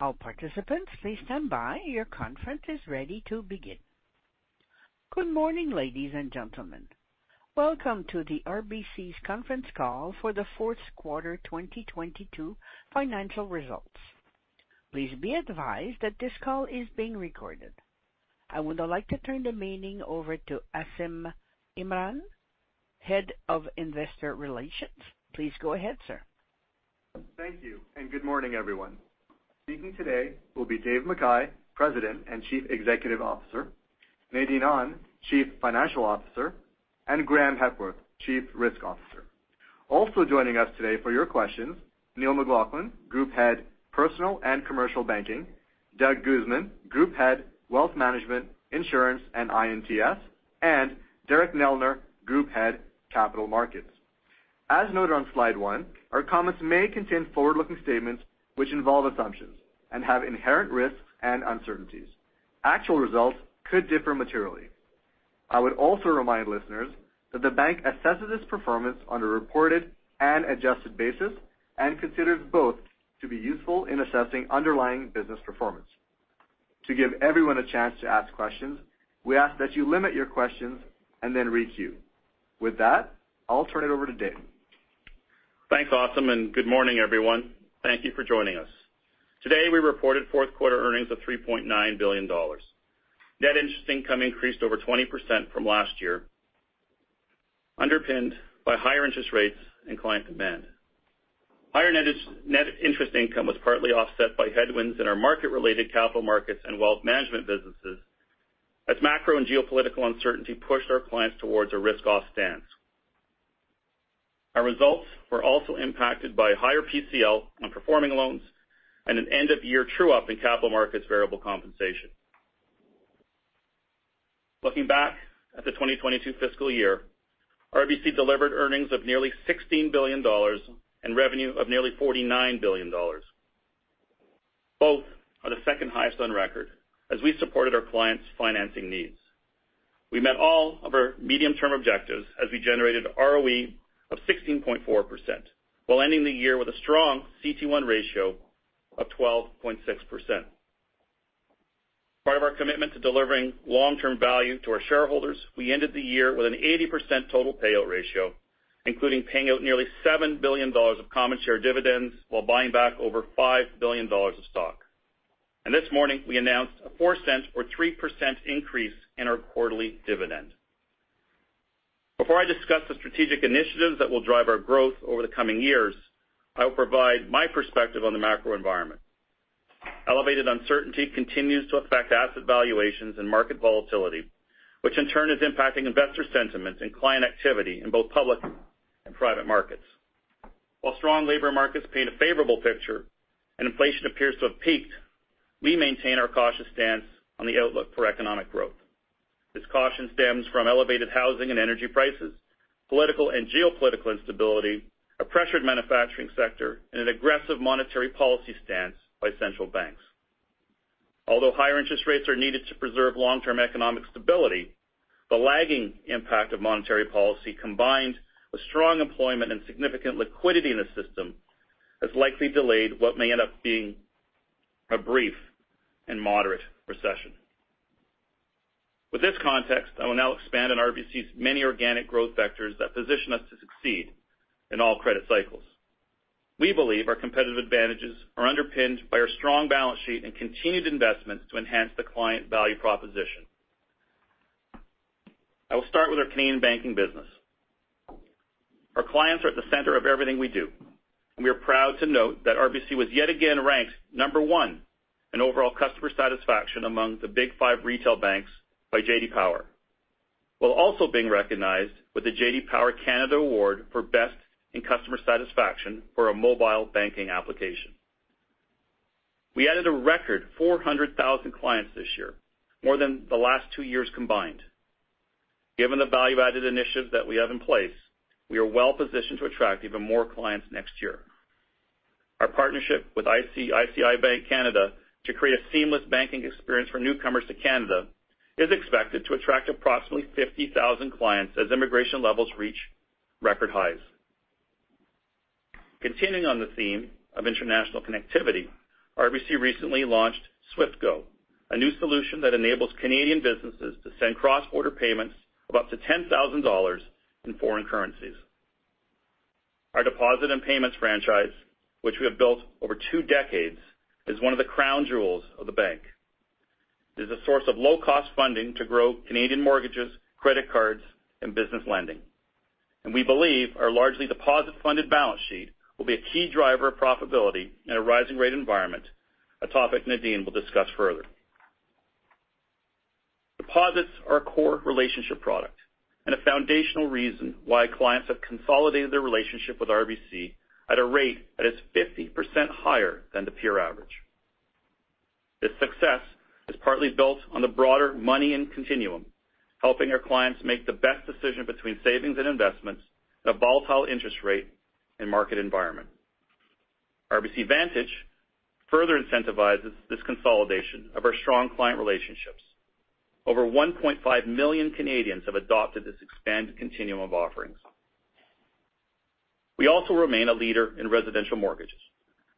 All participants, please stand by. Your conference is ready to begin. Good morning, ladies and gentlemen. Welcome to the RBC's conference call for the fourth quarter, 2022 financial results. Please be advised that this call is being recorded. I would now like to turn the meeting over to Asim Imran, Head of Investor Relations. Please go ahead, sir. Thank you, and good morning, everyone. Speaking today will be Dave McKay, President and Chief Executive Officer, Nadine Ahn, Chief Financial Officer, and Graeme Hepworth, Chief Risk Officer. Also joining us today for your questions, Neil McLaughlin, Group Head, Personal and Commercial Banking, Doug Guzman, Group Head, Wealth Management, Insurance and INTS, and Derek Neldner, Group Head Capital Markets. As noted on slide 1, our comments may contain forward-looking statements which involve assumptions and have inherent risks and uncertainties. Actual results could differ materially. I would also remind listeners that the bank assesses its performance on a reported and adjusted basis and considers both to be useful in assessing underlying business performance. To give everyone a chance to ask questions, we ask that you limit your questions and then re-queue. With that, I'll turn it over to Dave. Thanks, Asim. Good morning, everyone. Thank you for joining us. Today, we reported fourth quarter earnings of $3.9 billion. Net interest income increased over 20% from last year, underpinned by higher interest rates and client demand. Higher net interest income was partly offset by headwinds in our market-related Capital Markets and wealth management businesses as macro and geopolitical uncertainty pushed our clients towards a risk-off stance. Our results were also impacted by higher PCL on performing loans and an end-of-year true-up in Capital Markets variable compensation. Looking back at the 2022 fiscal year, RBC delivered earnings of nearly $16 billion and revenue of nearly $49 billion. Both are the second-highest on record as we supported our clients' financing needs. We met all of our medium-term objectives as we generated ROE of 16.4% while ending the year with a strong CET1 ratio of 12.6%. Part of our commitment to delivering long-term value to our shareholders, we ended the year with an 80% total payout ratio, including paying out nearly 7 billion dollars of common share dividends while buying back over 5 billion dollars of stock. This morning, we announced a 0.04 or 3% increase in our quarterly dividend. Before I discuss the strategic initiatives that will drive our growth over the coming years, I will provide my perspective on the macro environment. Elevated uncertainty continues to affect asset valuations and market volatility, which in turn is impacting investor sentiments and client activity in both public and private markets. While strong labor markets paint a favorable picture and inflation appears to have peaked, we maintain our cautious stance on the outlook for economic growth. This caution stems from elevated housing and energy prices, political and geopolitical instability, a pressured manufacturing sector, and an aggressive monetary policy stance by central banks. Although higher interest rates are needed to preserve long-term economic stability, the lagging impact of monetary policy combined with strong employment and significant liquidity in the system has likely delayed what may end up being a brief and moderate recession. With this context, I will now expand on RBC's many organic growth vectors that position us to succeed in all credit cycles. We believe our competitive advantages are underpinned by our strong balance sheet and continued investments to enhance the client value proposition. I will start with our Canadian banking business. Our clients are at the center of everything we do, and we are proud to note that RBC was yet again ranked number 1 in overall customer satisfaction among the big 5 retail banks by J.D. Power, while also being recognized with the J.D. Power Canada Award for best in customer satisfaction for our mobile banking application. We added a record 400,000 clients this year, more than the last 2 years combined. Given the value-added initiatives that we have in place, we are well-positioned to attract even more clients next year. Our partnership with ICICI Bank Canada to create a seamless banking experience for newcomers to Canada is expected to attract approximately 50,000 clients as immigration levels reach record highs. Continuing on the theme of international connectivity, RBC recently launched Swift Go, a new solution that enables Canadian businesses to send cross-border payments of up to 10,000 dollars in foreign currencies. Our deposit and payments franchise, which we have built over 2 decades, is one of the crown jewels of the bank. We believe our largely deposit-funded balance sheet will be a key driver of profitability in a rising rate environment, a topic Nadine will discuss further. Deposits are a core relationship product and a foundational reason why clients have consolidated their relationship with RBC at a rate that is 50% higher than the peer average. This success is partly built on the broader money and continuum, helping our clients make the best decision between savings and investments in a volatile interest rate and market environment. RBC Vantage further incentivizes this consolidation of our strong client relationships. Over 1.5 million Canadians have adopted this expanded continuum of offerings. We also remain a leader in residential mortgages,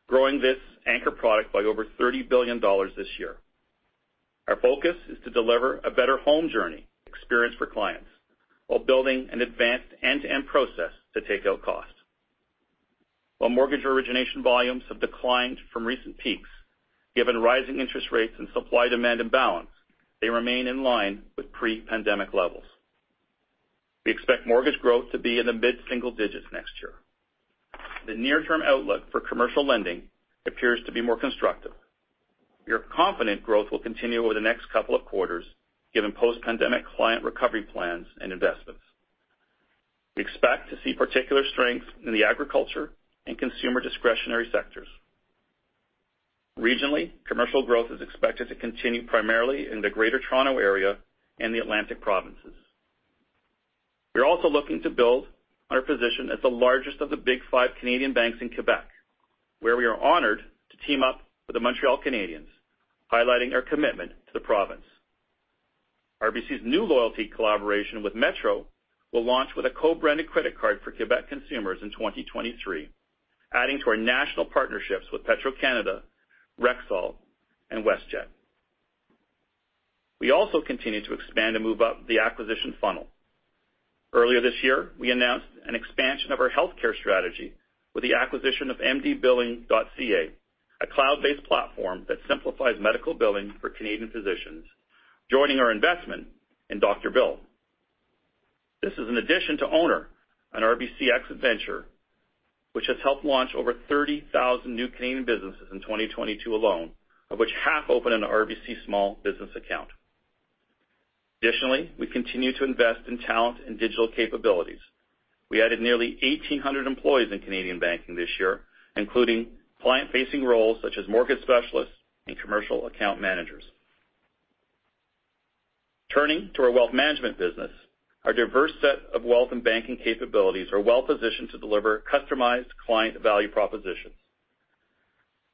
growing this anchor product by over 30 billion dollars this year. Our focus is to deliver a better home journey experience for clients while building an advanced end-to-end process to take out costs. While mortgage origination volumes have declined from recent peaks, given rising interest rates and supply demand imbalance, they remain in line with pre-pandemic levels. We expect mortgage growth to be in the mid-single digits next year. The near-term outlook for commercial lending appears to be more constructive. We are confident growth will continue over the next couple of quarters given post-pandemic client recovery plans and investments. We expect to see particular strength in the agriculture and consumer discretionary sectors. Regionally, commercial growth is expected to continue primarily in the Greater Toronto Area and the Atlantic provinces. We are also looking to build on our position as the largest of the Big Five Canadian banks in Quebec, where we are honored to team up with the Montreal Canadiens, highlighting our commitment to the province. RBC's new loyalty collaboration with Metro will launch with a co-branded credit card for Quebec consumers in 2023, adding to our national partnerships with Petro-Canada, Rexall, and WestJet. We also continue to expand and move up the acquisition funnel. Earlier this year, we announced an expansion of our healthcare strategy with the acquisition of MDBilling.ca, a cloud-based platform that simplifies medical billing for Canadian physicians, joining our investment in Dr. Bill. This is an addition to Ownr, an RBCx venture, which has helped launch over 30,000 new Canadian businesses in 2022 alone, of which half opened an RBC small business account. Additionally, we continue to invest in talent and digital capabilities. We added nearly 1,800 employees in Canadian banking this year, including client-facing roles such as mortgage specialists and commercial account managers. Turning to our wealth management business, our diverse set of wealth and banking capabilities are well-positioned to deliver customized client value propositions.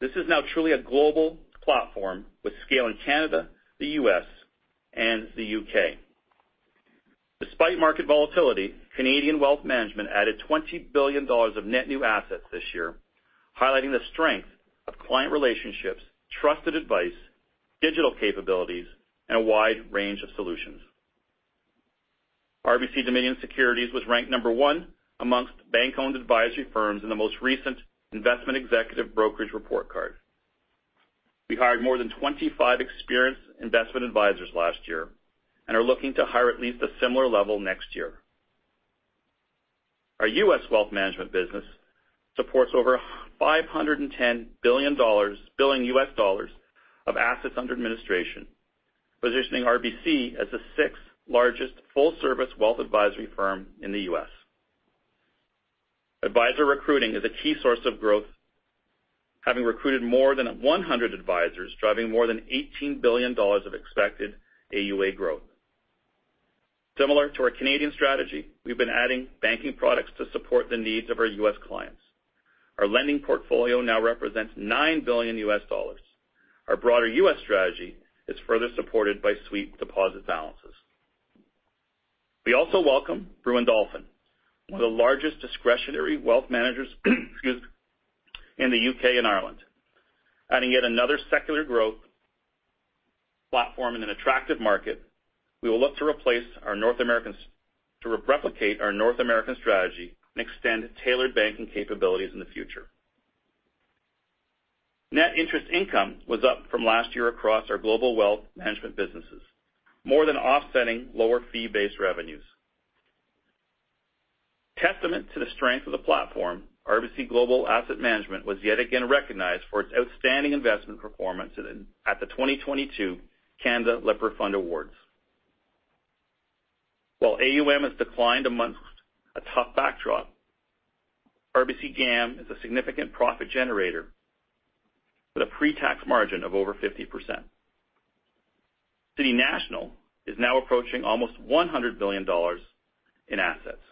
This is now truly a global platform with scale in Canada, the US, and the UK. Despite market volatility, Canadian wealth management added $20 billion of net new assets this year, highlighting the strength of client relationships, trusted advice, digital capabilities, and a wide range of solutions. RBC Dominion Securities was ranked number one amongst bank-owned advisory firms in the most recent Investment Executive Brokerage Report Card. We hired more than 25 experienced investment advisors last year and are looking to hire at least a similar level next year. Our US wealth management business supports over $510 billion US dollars of assets under administration, positioning RBC as the sixth largest full-service wealth advisory firm in the US. Advisor recruiting is a key source of growth, having recruited more than 100 advisors, driving more than $18 billion of expected AUA growth. Similar to our Canadian strategy, we've been adding banking products to support the needs of our US clients. Our lending portfolio now represents $9 billion. Our broader U.S. strategy is further supported by sweep deposit balances. We also welcome Brewin Dolphin, one of the largest discretionary wealth managers in the U.K. and Ireland. Adding yet another secular growth platform in an attractive market, we will look to replicate our North American strategy and extend tailored banking capabilities in the future. Net interest income was up from last year across our global wealth management businesses, more than offsetting lower fee-based revenues. Testament to the strength of the platform, RBC Global Asset Management was yet again recognized for its outstanding investment performance at the 2022 Refinitiv Lipper Fund Awards. While AUM has declined amongst a tough backdrop, RBC GAM is a significant profit generator with a pre-tax margin of over 50%. City National is now approaching almost 100 billion dollars in assets.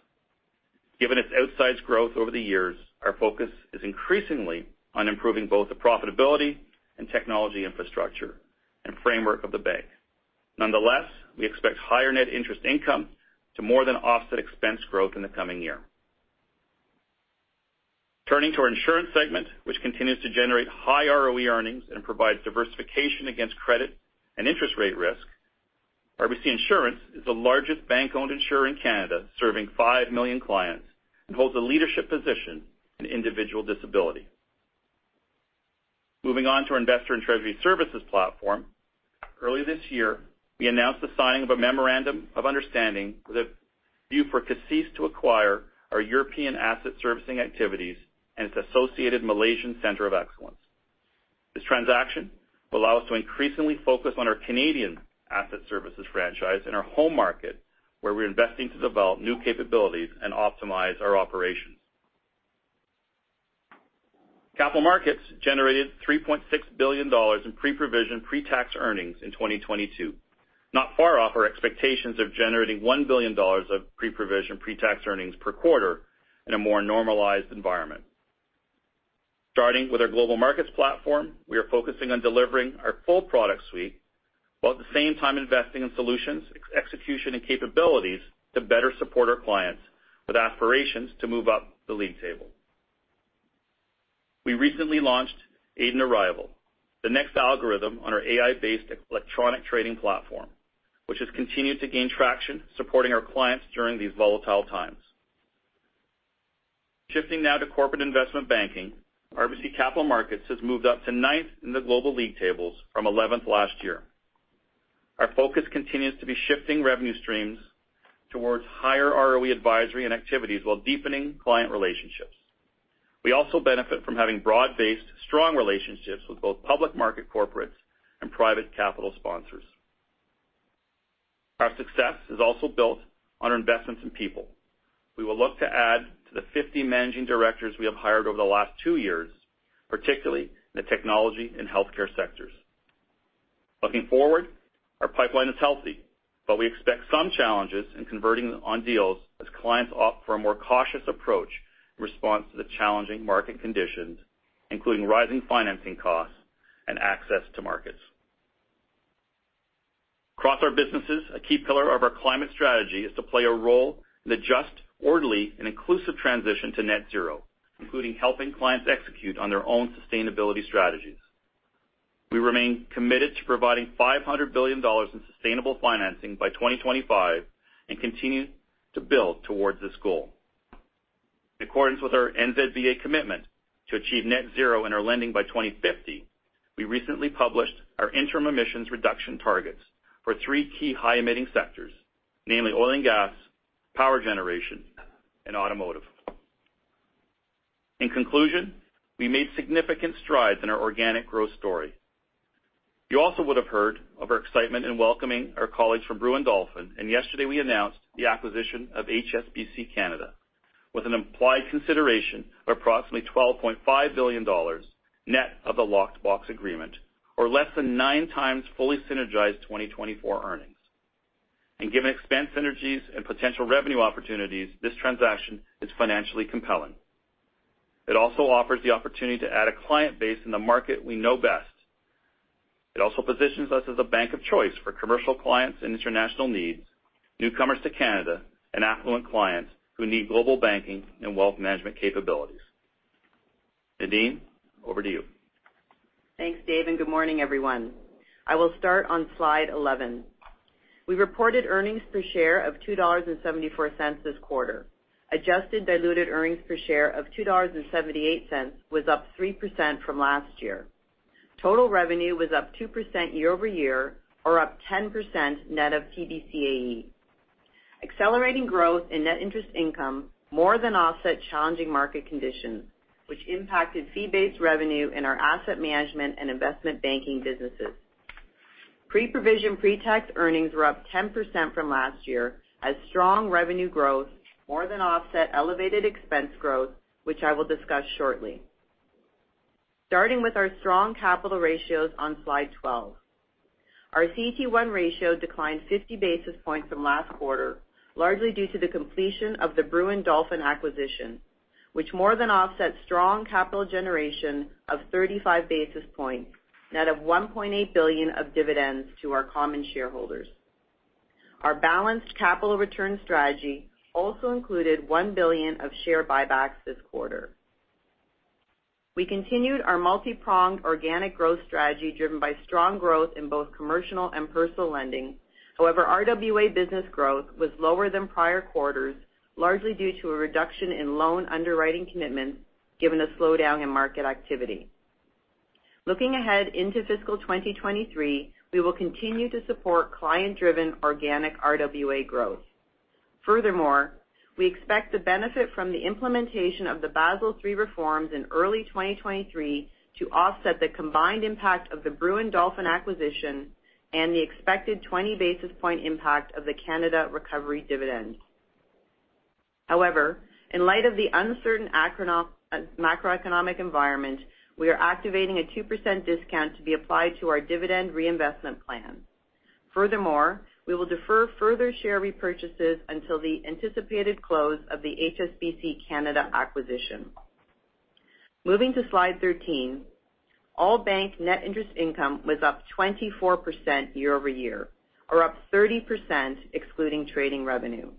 Given its outsized growth over the years, our focus is increasingly on improving both the profitability and technology infrastructure and framework of the bank. Nonetheless, we expect higher net interest income to more than offset expense growth in the coming year. Turning to our insurance segment, which continues to generate high ROE earnings and provides diversification against credit and interest rate risk, RBC Insurance is the largest bank-owned insurer in Canada, serving 5 million clients, and holds a leadership position in individual disability. Moving on to our Investor and Treasury Services platform. Earlier this year, we announced the signing of a memorandum of understanding with a view for CACEIS to acquire our European asset servicing activities and its associated Malaysian Center of Excellence. This transaction will allow us to increasingly focus on our Canadian asset services franchise in our home market, where we're investing to develop new capabilities and optimize our operations. Capital Markets generated 3.6 billion dollars in pre-provision, pre-tax earnings in 2022, not far off our expectations of generating 1 billion dollars of pre-provision, pre-tax earnings per quarter in a more normalized environment. Starting with our global markets platform, we are focusing on delivering our full product suite, while at the same time investing in solutions, ex-execution, and capabilities to better support our clients with aspirations to move up the league table. We recently launched Aiden Arrival, the next algorithm on our AI-based electronic trading platform, which has continued to gain traction supporting our clients during these volatile times. Shifting now to corporate investment banking, RBC Capital Markets has moved up to ninth in the global league tables from eleventh last year. Our focus continues to be shifting revenue streams towards higher ROE advisory and activities while deepening client relationships. We also benefit from having broad-based, strong relationships with both public market corporates and private capital sponsors. Our success is also built on our investments in people. We will look to add to the 50 managing directors we have hired over the last two years, particularly in the technology and healthcare sectors. Looking forward, our pipeline is healthy, but we expect some challenges in converting on deals as clients opt for a more cautious approach in response to the challenging market conditions, including rising financing costs and access to markets. Across our businesses, a key pillar of our climate strategy is to play a role in the just, orderly, and inclusive transition to net zero, including helping clients execute on their own sustainability strategies. We remain committed to providing 500 billion dollars in sustainable financing by 2025 and continue to build towards this goal. In accordance with our NZBA commitment to achieve net zero in our lending by 2050, we recently published our interim emissions reduction targets for three key high-emitting sectors, namely oil and gas, power generation, and automotive. In conclusion, we made significant strides in our organic growth story. You also would have heard of our excitement in welcoming our colleagues from Brewin Dolphin. Yesterday we announced the acquisition of HSBC Canada with an implied consideration of approximately 12.5 billion dollars net of the locked-box agreement, or less than 9 times fully synergized 2024 earnings. Given expense synergies and potential revenue opportunities, this transaction is financially compelling. It also offers the opportunity to add a client base in the market we know best. It also positions us as a bank of choice for commercial clients and international needs, newcomers to Canada, and affluent clients who need global banking and wealth management capabilities. Nadine, over to you. Thanks, Dave. Good morning, everyone. I will start on slide 11. We reported earnings per share of $2.74 this quarter. Adjusted diluted earnings per share of $2.78 was up 3% from last year. Total revenue was up 2% year-over-year or up 10% net of TBCAE. Accelerating growth and net interest income more than offset challenging market conditions, which impacted fee-based revenue in our asset management and investment banking businesses. Pre-provision, pre-tax earnings were up 10% from last year as strong revenue growth more than offset elevated expense growth, which I will discuss shortly. Starting with our strong capital ratios on slide 12. Our CET1 ratio declined 50 basis points from last quarter, largely due to the completion of the Brewin Dolphin acquisition, which more than offset strong capital generation of 35 basis points, net of 1.8 billion of dividends to our common shareholders. Our balanced capital return strategy also included 1 billion of share buybacks this quarter. We continued our multi-pronged organic growth strategy driven by strong growth in both commercial and personal lending. However, RWA business growth was lower than prior quarters, largely due to a reduction in loan underwriting commitments, given a slowdown in market activity. Looking ahead into fiscal 2023, we will continue to support client-driven organic RWA growth. Furthermore, we expect to benefit from the implementation of the Basel III reforms in early 2023 to offset the combined impact of the Brewin Dolphin acquisition and the expected 20 basis point impact of the Canada Recovery Dividend. In light of the uncertain macroeconomic environment, we are activating a 2% discount to be applied to our dividend reinvestment plan. We will defer further share repurchases until the anticipated close of the HSBC Canada acquisition. Moving to slide 13. All bank net interest income was up 24% year-over-year or up 30% excluding trading revenue.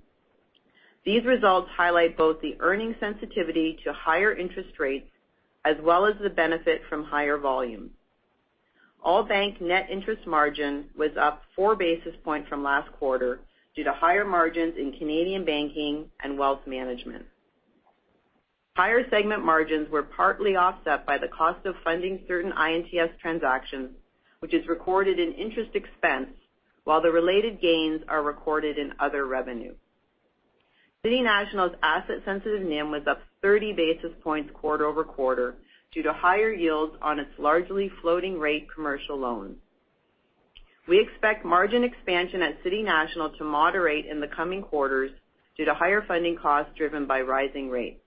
These results highlight both the earning sensitivity to higher interest rates as well as the benefit from higher volume. All bank net interest margin was up 4 basis points from last quarter due to higher margins in Canadian banking and wealth management. Higher segment margins were partly offset by the cost of funding certain INTS transactions, which is recorded in interest expense while the related gains are recorded in other revenue. City National's asset sensitive NIM was up 30 basis points quarter-over-quarter due to higher yields on its largely floating rate commercial loans. We expect margin expansion at City National to moderate in the coming quarters due to higher funding costs driven by rising rates.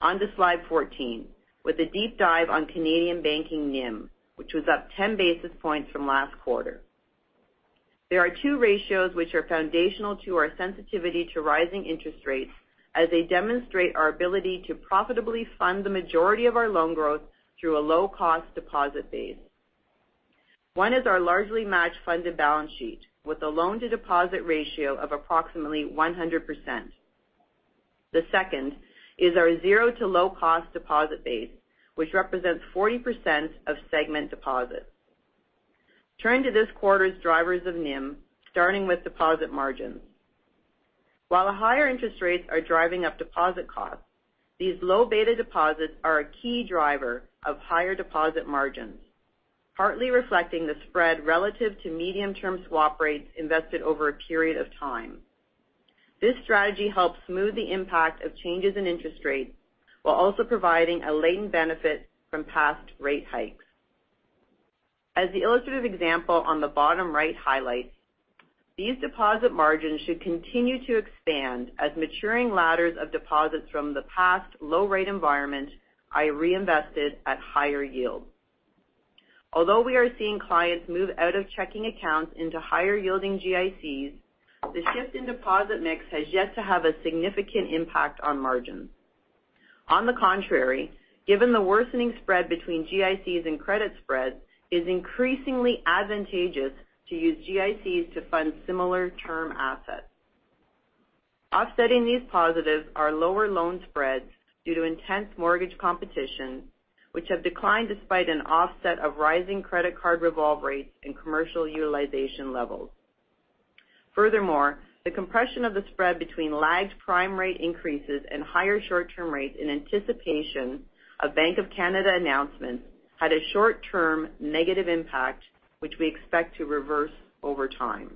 On to slide 14, with a deep dive on Canadian banking NIM, which was up 10 basis points from last quarter. There are 2 ratios which are foundational to our sensitivity to rising interest rates as they demonstrate our ability to profitably fund the majority of our loan growth through a low-cost deposit base. 1 is our largely match-funded balance sheet with a loan-to-deposit ratio of approximately 100%. The second is our zero to low-cost deposit base, which represents 40% of segment deposits. Turning to this quarter's drivers of NIM, starting with deposit margins. While the higher interest rates are driving up deposit costs, these low beta deposits are a key driver of higher deposit margins, partly reflecting the spread relative to medium-term swap rates invested over a period of time. This strategy helps smooth the impact of changes in interest rates while also providing a latent benefit from past rate hikes. As the illustrative example on the bottom right highlights, these deposit margins should continue to expand as maturing ladders of deposits from the past low rate environment are reinvested at higher yields. Although we are seeing clients move out of checking accounts into higher yielding GICs, the shift in deposit mix has yet to have a significant impact on margins. On the contrary, given the worsening spread between GICs and credit spreads, it is increasingly advantageous to use GICs to fund similar term assets. Offsetting these positives are lower loan spreads due to intense mortgage competition, which have declined despite an offset of rising credit card revolve rates and commercial utilization levels. Furthermore, the compression of the spread between lagged prime rate increases and higher short-term rates in anticipation of Bank of Canada announcements had a short-term negative impact, which we expect to reverse over time.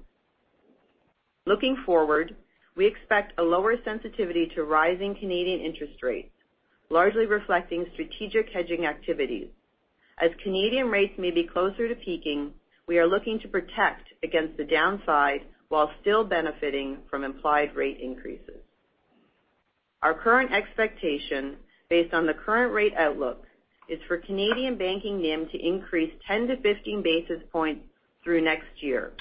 Looking forward, we expect a lower sensitivity to rising Canadian interest rates, largely reflecting strategic hedging activities. As Canadian rates may be closer to peaking, we are looking to protect against the downside while still benefiting from implied rate increases. Our current expectation based on the current rate outlook is for Canadian banking NIM to increase 10-15 basis points through next year,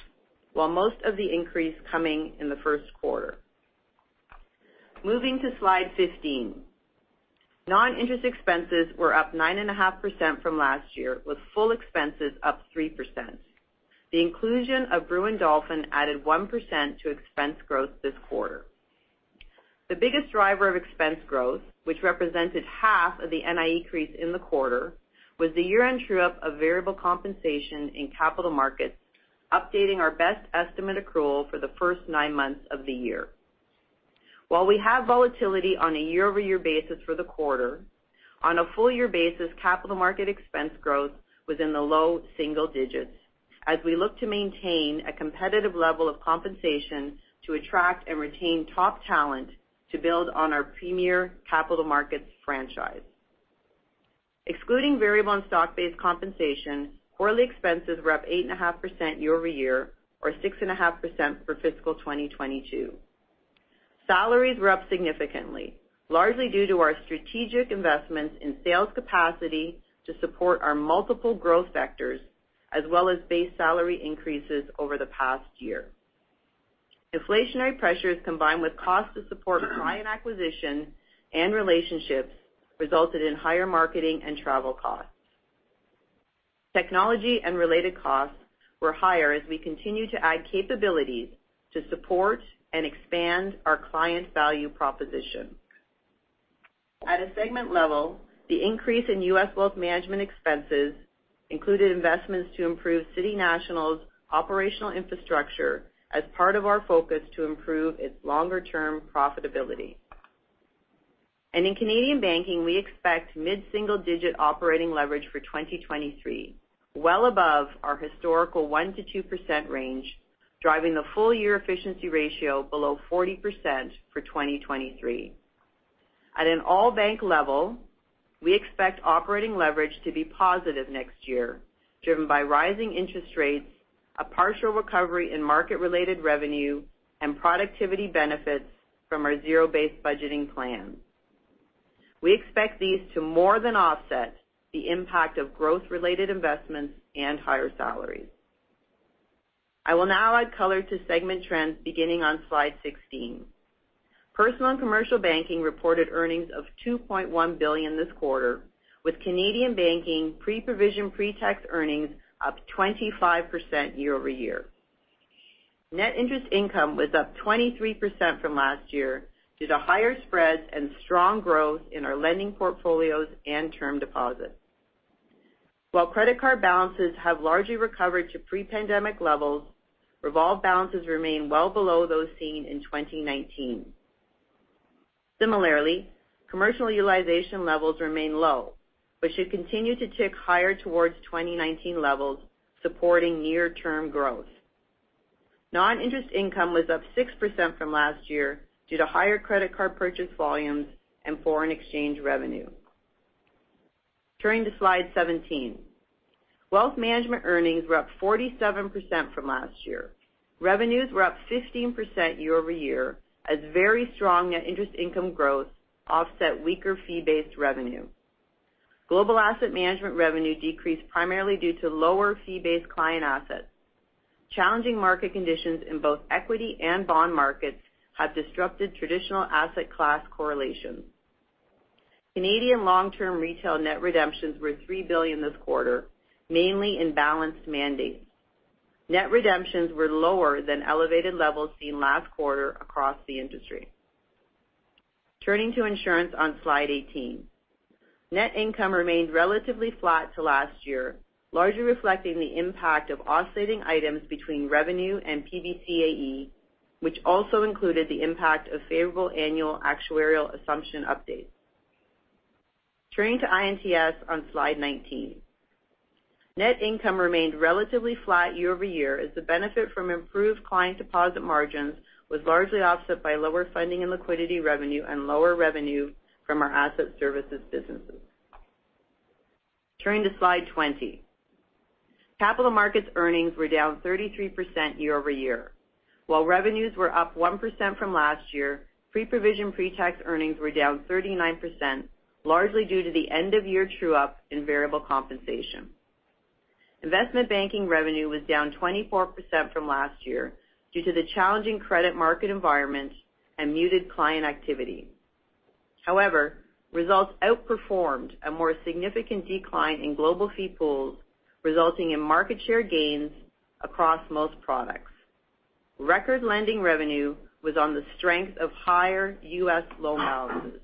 while most of the increase coming in the first quarter. Moving to Slide 15. Non-interest expenses were up 9.5% from last year, with full expenses up 3%. The inclusion of Brewin Dolphin added 1% to expense growth this quarter. The biggest driver of expense growth, which represented half of the NIE increase in the quarter, was the year-end true-up of variable compensation in capital markets, updating our best estimate accrual for the first nine months of the year. While we have volatility on a year-over-year basis for the quarter, on a full year basis, capital markets expense growth was in the low single digits as we look to maintain a competitive level of compensation to attract and retain top talent to build on our premier capital markets franchise. Excluding variable and stock-based compensation, quarterly expenses were up 8.5% year-over-year or 6.5% for fiscal 2022. Salaries were up significantly, largely due to our strategic investments in sales capacity to support our multiple growth vectors, as well as base salary increases over the past year. Inflationary pressures, combined with costs to support client acquisition and relationships, resulted in higher marketing and travel costs. Technology and related costs were higher as we continue to add capabilities to support and expand our client value proposition. At a segment level, the increase in US Wealth Management expenses included investments to improve City National's operational infrastructure as part of our focus to improve its longer-term profitability. In Canadian banking, we expect mid-single-digit operating leverage for 2023, well above our historical 1%-2% range, driving the full-year efficiency ratio below 40% for 2023. At an all-bank level, we expect operating leverage to be positive next year, driven by rising interest rates, a partial recovery in market-related revenue, and productivity benefits from our zero-based budgeting plans. We expect these to more than offset the impact of growth-related investments and higher salaries. I will now add color to segment trends beginning on Slide 16. Personal and Commercial Banking reported earnings of 2.1 billion this quarter, with Canadian banking pre-provision pre-tax earnings up 25% year-over-year. Net interest income was up 23% from last year due to higher spreads and strong growth in our lending portfolios and term deposits. While credit card balances have largely recovered to pre-pandemic levels, revolved balances remain well below those seen in 2019. Similarly, commercial utilization levels remain low, but should continue to tick higher towards 2019 levels, supporting near-term growth. Non-interest income was up 6% from last year due to higher credit card purchase volumes and foreign exchange revenue. Turning to Slide 17. Wealth management earnings were up 47% from last year. Revenues were up 15% year-over-year as very strong net interest income growth offset weaker fee-based revenue. Global asset management revenue decreased primarily due to lower fee-based client assets. Challenging market conditions in both equity and bond markets have disrupted traditional asset class correlations. Canadian long term retail net redemptions were $3 billion this quarter, mainly in balanced mandates. Net redemptions were lower than elevated levels seen last quarter across the industry. Turning to insurance on slide 18. Net income remained relatively flat to last year, largely reflecting the impact of oscillating items between revenue and P&C AE, which also included the impact of favorable annual actuarial assumption updates. Turning to INTS on slide 19. Net income remained relatively flat year-over-year as the benefit from improved client deposit margins was largely offset by lower funding and liquidity revenue and lower revenue from our asset services businesses. Turning to slide 20. Capital Markets earnings were down 33% year-over-year. Revenues were up 1% from last year, pre-provision pre-tax earnings were down 39%, largely due to the end of year true up in variable compensation. Investment banking revenue was down 24% from last year due to the challenging credit market environment and muted client activity. However, results outperformed a more significant decline in global fee pools, resulting in market share gains across most products. Record lending revenue was on the strength of higher U.S. loan allowances.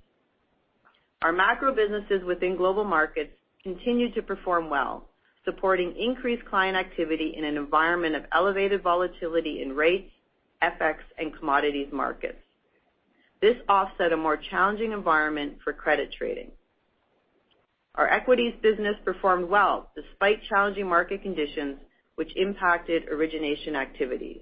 Our macro businesses within global markets continued to perform well, supporting increased client activity in an environment of elevated volatility in rates, FX and commodities markets. This offset a more challenging environment for credit trading. Our equities business performed well despite challenging market conditions which impacted origination activities.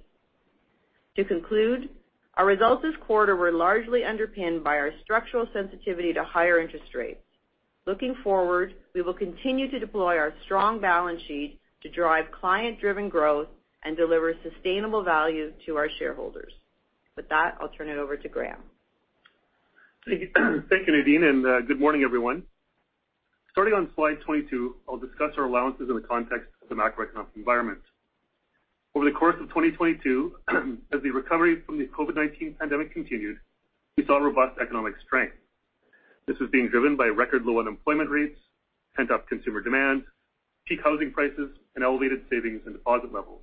To conclude, our results this quarter were largely underpinned by our structural sensitivity to higher interest rates. Looking forward, we will continue to deploy our strong balance sheet to drive client-driven growth and deliver sustainable value to our shareholders. With that, I'll turn it over to Graeme. Thank you, Nadine, and good morning, everyone. Starting on slide 22, I'll discuss our allowances in the context of the macroeconomic environment. Over the course of 2022, as the recovery from the COVID-19 pandemic continued, we saw robust economic strength. This was being driven by record low unemployment rates, pent-up consumer demand, peak housing prices, and elevated savings and deposit levels.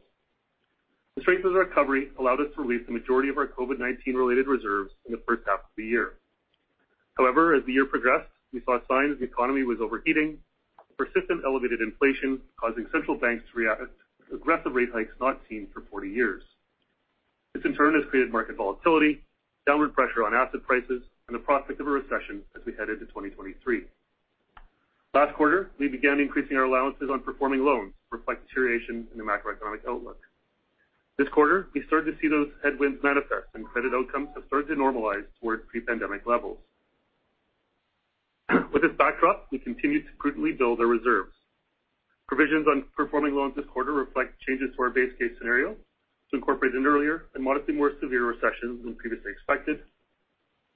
The strength of the recovery allowed us to release the majority of our COVID-19 related reserves in the first half of the year. However, as the year progressed, we saw signs the economy was overheating, persistent elevated inflation causing central banks to react with aggressive rate hikes not seen for 40 years. This in turn has created market volatility, downward pressure on asset prices and the prospect of a recession as we headed to 2023. Last quarter, we began increasing our allowances on performing loans to reflect deterioration in the macroeconomic outlook. This quarter, we started to see those headwinds manifest and credit outcomes have started to normalize towards pre-pandemic levels. With this backdrop, we continue to prudently build our reserves. Provisions on performing loans this quarter reflect changes to our base case scenario to incorporate an earlier and modestly more severe recession than previously expected,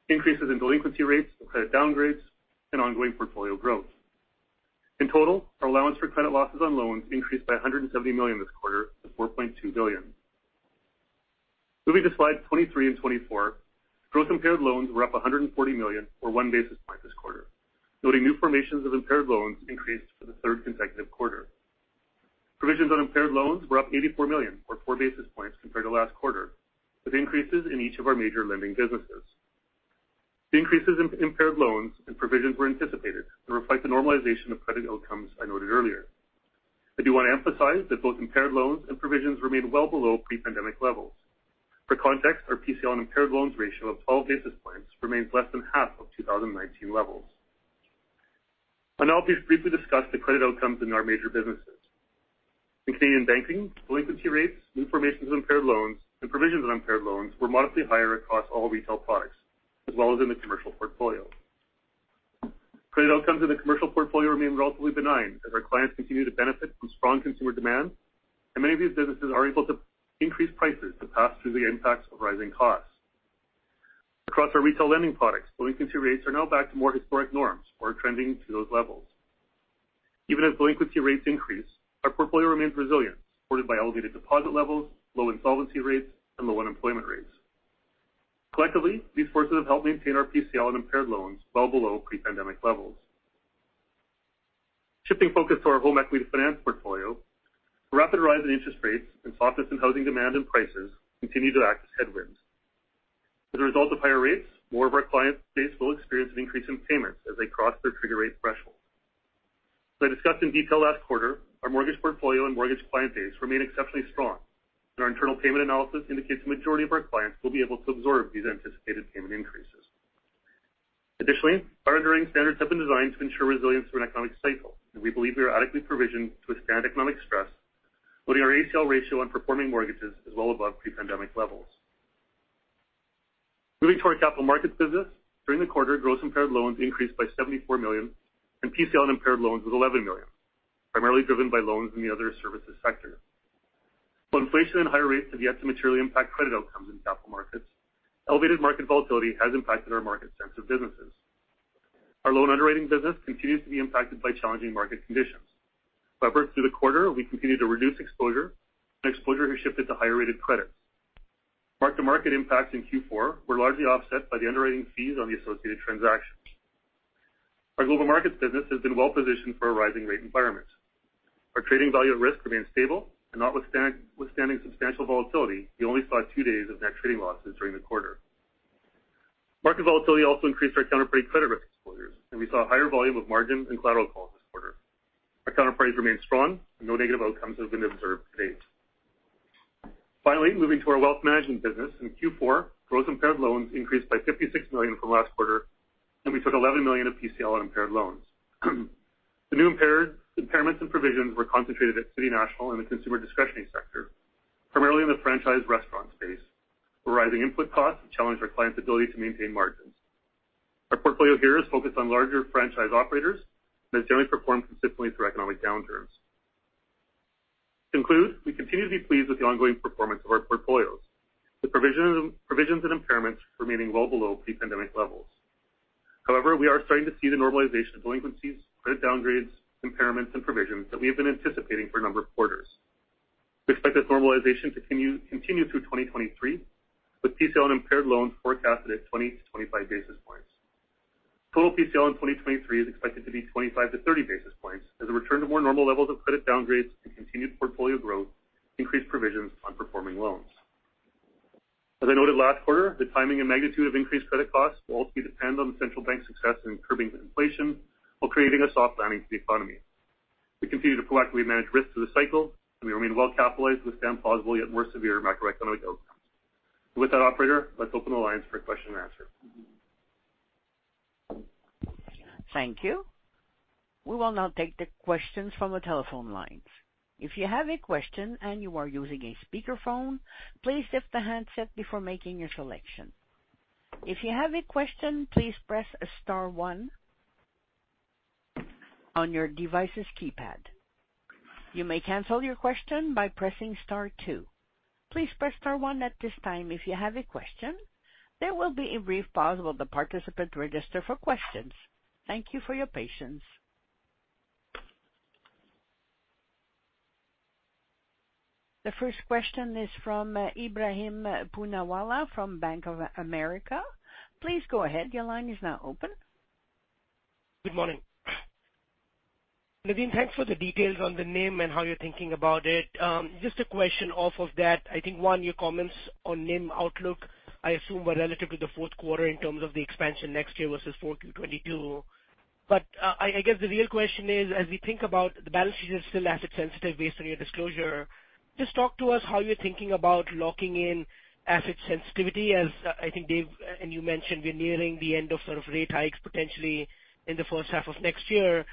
increases in delinquency rates and credit downgrades, and ongoing portfolio growth. In total, our allowance for credit losses on loans increased by 170 million this quarter to 4.2 billion. Moving to slide 23 and 24, gross impaired loans were up 140 million or 1 basis point this quarter. Noting new formations of impaired loans increased for the third consecutive quarter. Provisions on impaired loans were up 84 million or 4 basis points compared to last quarter, with increases in each of our major lending businesses. The increases in impaired loans and provisions were anticipated and reflect the normalization of credit outcomes I noted earlier. I do want to emphasize that both impaired loans and provisions remain well below pre-pandemic levels. For context, our PCL and impaired loans ratio of 12 basis points remains less than half of 2019 levels. I'll now please briefly discuss the credit outcomes in our major businesses. In Canadian banking, delinquency rates, new formations of impaired loans and provisions of impaired loans were modestly higher across all retail products, as well as in the commercial portfolio. Credit outcomes in the commercial portfolio remain relatively benign as our clients continue to benefit from strong consumer demand. Many of these businesses are able to increase prices to pass through the impacts of rising costs. Across our retail lending products, delinquency rates are now back to more historic norms or trending to those levels. Even as delinquency rates increase, our portfolio remains resilient, supported by elevated deposit levels, low insolvency rates and low unemployment rates. Collectively, these forces have helped maintain our PCL and impaired loans well below pre-pandemic levels. Shifting focus to our home equity finance portfolio, the rapid rise in interest rates and softness in housing demand and prices continue to act as headwinds. As a result of higher rates, more of our client base will experience an increase in payments as they cross their trigger rate threshold. As I discussed in detail last quarter, our mortgage portfolio and mortgage client base remain exceptionally strong. Our internal payment analysis indicates the majority of our clients will be able to absorb these anticipated payment increases. Additionally, our enduring standards have been designed to ensure resilience through an economic cycle. We believe we are adequately provisioned to withstand economic stress, noting our ACL ratio on performing mortgages is well above pre-pandemic levels. Moving to our capital markets business. During the quarter, gross impaired loans increased by 74 million. PCL and impaired loans was 11 million, primarily driven by loans in the other services sector. While inflation and higher rates have yet to materially impact credit outcomes in capital markets, elevated market volatility has impacted our market-sensitive businesses. Our loan underwriting business continues to be impacted by challenging market conditions. Through the quarter, we continued to reduce exposure, and exposure has shifted to higher-rated credits. Mark-to-market impacts in Q4 were largely offset by the underwriting fees on the associated transactions. Our Global Markets business has been well positioned for a rising rate environment. Our trading Value at Risk remains stable, and notwithstanding substantial volatility, we only saw two days of net trading losses during the quarter. Market volatility also increased our counterparty credit risk exposures, and we saw a higher volume of margin and collateral calls this quarter. Our counterparties remain strong, and no negative outcomes have been observed to date. Finally, moving to our Wealth Management business, in Q4, gross impaired loans increased by 56 million from last quarter, and we took 11 million of PCL on impaired loans. The new impairments and provisions were concentrated at City National in the consumer discretionary sector, primarily in the franchise restaurant space, where rising input costs challenged our clients' ability to maintain margins. Our portfolio here is focused on larger franchise operators and has generally performed consistently through economic downturns. To conclude, we continue to be pleased with the ongoing performance of our portfolios, with provisions and impairments remaining well below pre-pandemic levels. However, we are starting to see the normalization of delinquencies, credit downgrades, impairments and provisions that we have been anticipating for a number of quarters. We expect this normalization to continue through 2023, with PCL and impaired loans forecasted at 20-25 basis points. Total PCL in 2023 is expected to be 25-30 basis points as a return to more normal levels of credit downgrades and continued portfolio growth increase provisions on performing loans. As I noted last quarter, the timing and magnitude of increased credit costs will ultimately depend on the central bank's success in curbing inflation while creating a soft landing for the economy. We continue to proactively manage risks through the cycle, and we remain well capitalized to withstand plausible yet more severe macroeconomic outcomes. With that, operator, let's open the lines for question and answer. Thank you. We will now take the questions from the telephone lines. If you have a question and you are using a speakerphone, please lift the handset before making your selection. If you have a question, please press star one on your device's keypad. You may cancel your question by pressing star two. Please press star one at this time if you have a question. There will be a brief pause while the participant register for questions. Thank you for your patience. The first question is from Ebrahim Poonawala from Bank of America. Please go ahead. Your line is now open. Good morning. Nadine, thanks for the details on the NIM and how you're thinking about it. Just a question off of that. I think, one, your comments on NIM outlook, I assume were relative to the fourth quarter in terms of the expansion next year versus Q4 2022. I guess the real question is, as we think about the balance sheet is still asset sensitive based on your disclosure, just talk to us how you're thinking about locking in asset sensitivity as I think Dave, and you mentioned we're nearing the end of sort of rate hikes potentially in the first half of next year.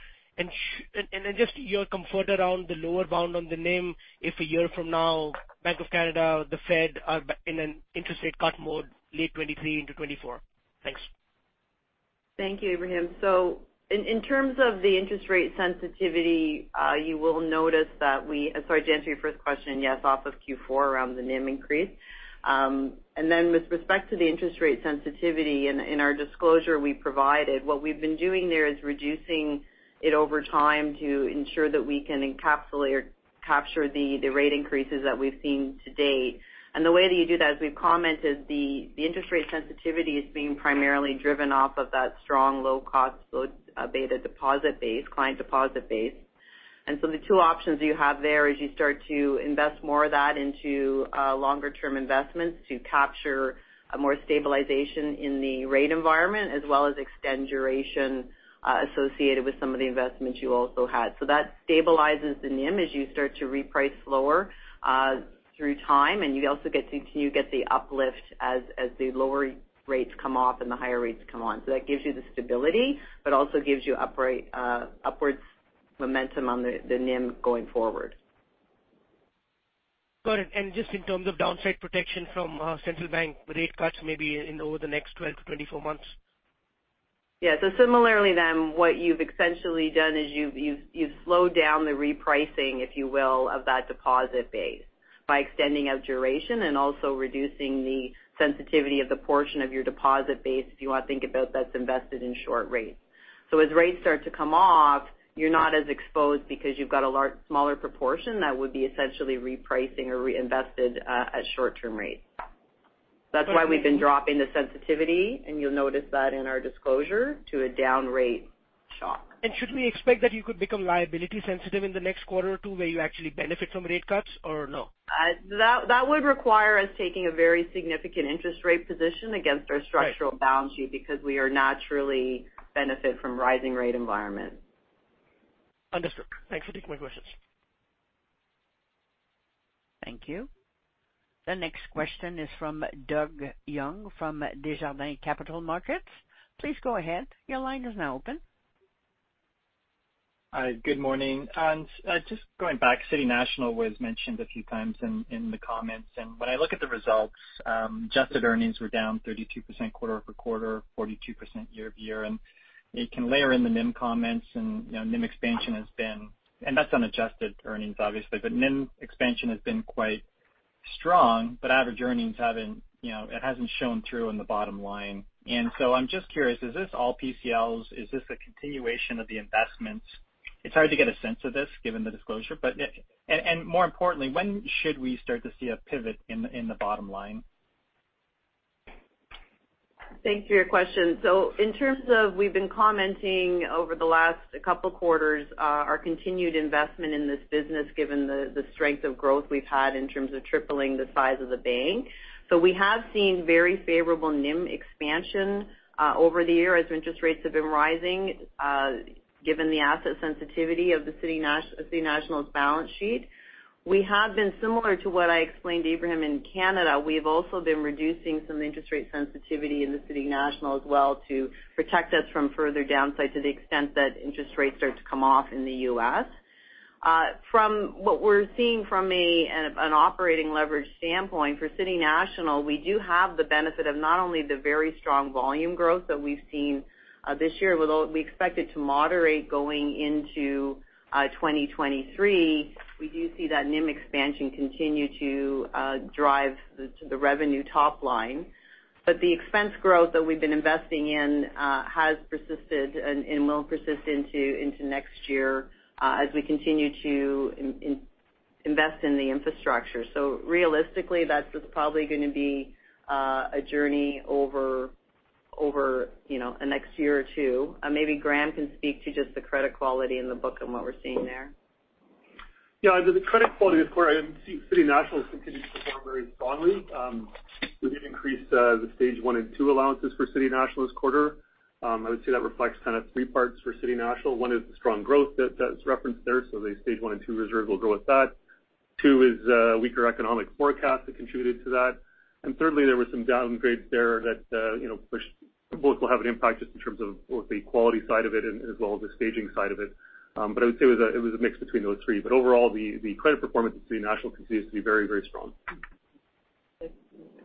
Just your comfort around the lower bound on the NIM if a year from now Bank of Canada or the Fed are in an interest rate cut mode late 2023 into 2024? Thanks. Thank you, Ibrahim. In terms of the interest rate sensitivity, you will notice that Sorry, to answer your first question, yes, off of Q4 around the NIM increase. With respect to the interest rate sensitivity in our disclosure we provided, what we've been doing there is reducing it over time to ensure that we can encapsulate or capture the rate increases that we've seen to date. The way that you do that, as we've commented, the interest rate sensitivity is being primarily driven off of that strong low-cost, low beta deposit base, client deposit base. The two options you have there is you start to invest more of that into longer term investments to capture a more stabilization in the rate environment as well as extend duration associated with some of the investments you also had. That stabilizes the NIM as you start to reprice lower through time, and you also get to, you get the uplift as the lower rates come off and the higher rates come on. That gives you the stability, but also gives you upright upwards momentum on the NIM going forward. Got it. Just in terms of downside protection from central bank rate cuts maybe in over the next 12-24 months? Yeah. Similarly then, what you've essentially done is you've slowed down the repricing, if you will, of that deposit base by extending out duration and also reducing the sensitivity of the portion of your deposit base if you want to think about that's invested in short rates. As rates start to come off, you're not as exposed because you've got a smaller proportion that would be essentially repricing or reinvested at short-term rates. That's why we've been dropping the sensitivity, and you'll notice that in our disclosure, to a down rate shock. Should we expect that you could become liability sensitive in the next quarter or two, where you actually benefit from rate cuts or no? That would require us taking a very significant interest rate position against our structural balance sheet because we naturally benefit from rising rate environment. Understood. Thanks for taking my questions. Thank you. The next question is from Doug Young from Desjardins Capital Markets. Please go ahead. Your line is now open. Hi. Good morning. Just going back, City National was mentioned a few times in the comments. When I look at the results, adjusted earnings were down 32% quarter-over-quarter, 42% year-over-year. You can layer in the NIM comments and, you know, and that's on adjusted earnings obviously, but NIM expansion has been quite strong, average earnings haven't, you know, it hasn't shown through in the bottom line. I'm just curious, is this all PCLs? Is this a continuation of the investments? It's hard to get a sense of this given the disclosure. More importantly, when should we start to see a pivot in the bottom line? Thanks for your question. In terms of we've been commenting over the last couple quarters, our continued investment in this business, given the strength of growth we've had in terms of tripling the size of the bank. We have seen very favorable NIM expansion over the year as interest rates have been rising, given the asset sensitivity of City National's balance sheet. We have been similar to what I explained to Abraham in Canada. We've also been reducing some interest rate sensitivity in City National as well to protect us from further downside to the extent that interest rates start to come off in the US. From what we're seeing from an operating leverage standpoint for City National, we do have the benefit of not only the very strong volume growth that we've seen this year, although we expect it to moderate going into 2023, we do see that NIM expansion continue to drive the revenue top line. The expense growth that we've been investing in has persisted and will persist into next year as we continue to invest in the infrastructure. Realistically, that's just probably gonna be a journey over, you know, the next year or two. Maybe Graham can speak to just the credit quality in the book and what we're seeing there. The credit quality this quarter, I think City National has continued to perform very strongly. We did increase the stage one and two allowances for City National this quarter. I would say that reflects kind of 3 parts for City National. 1 is the strong growth that's referenced there, so the stage one and two reserve will grow with that. 2 is weaker economic forecast that contributed to that. Thirdly, there was some downgrades there that, you know, both will have an impact just in terms of both the quality side of it and as well as the staging side of it. I would say it was a mix between those 3. Overall, the credit performance at City National continues to be very, very strong.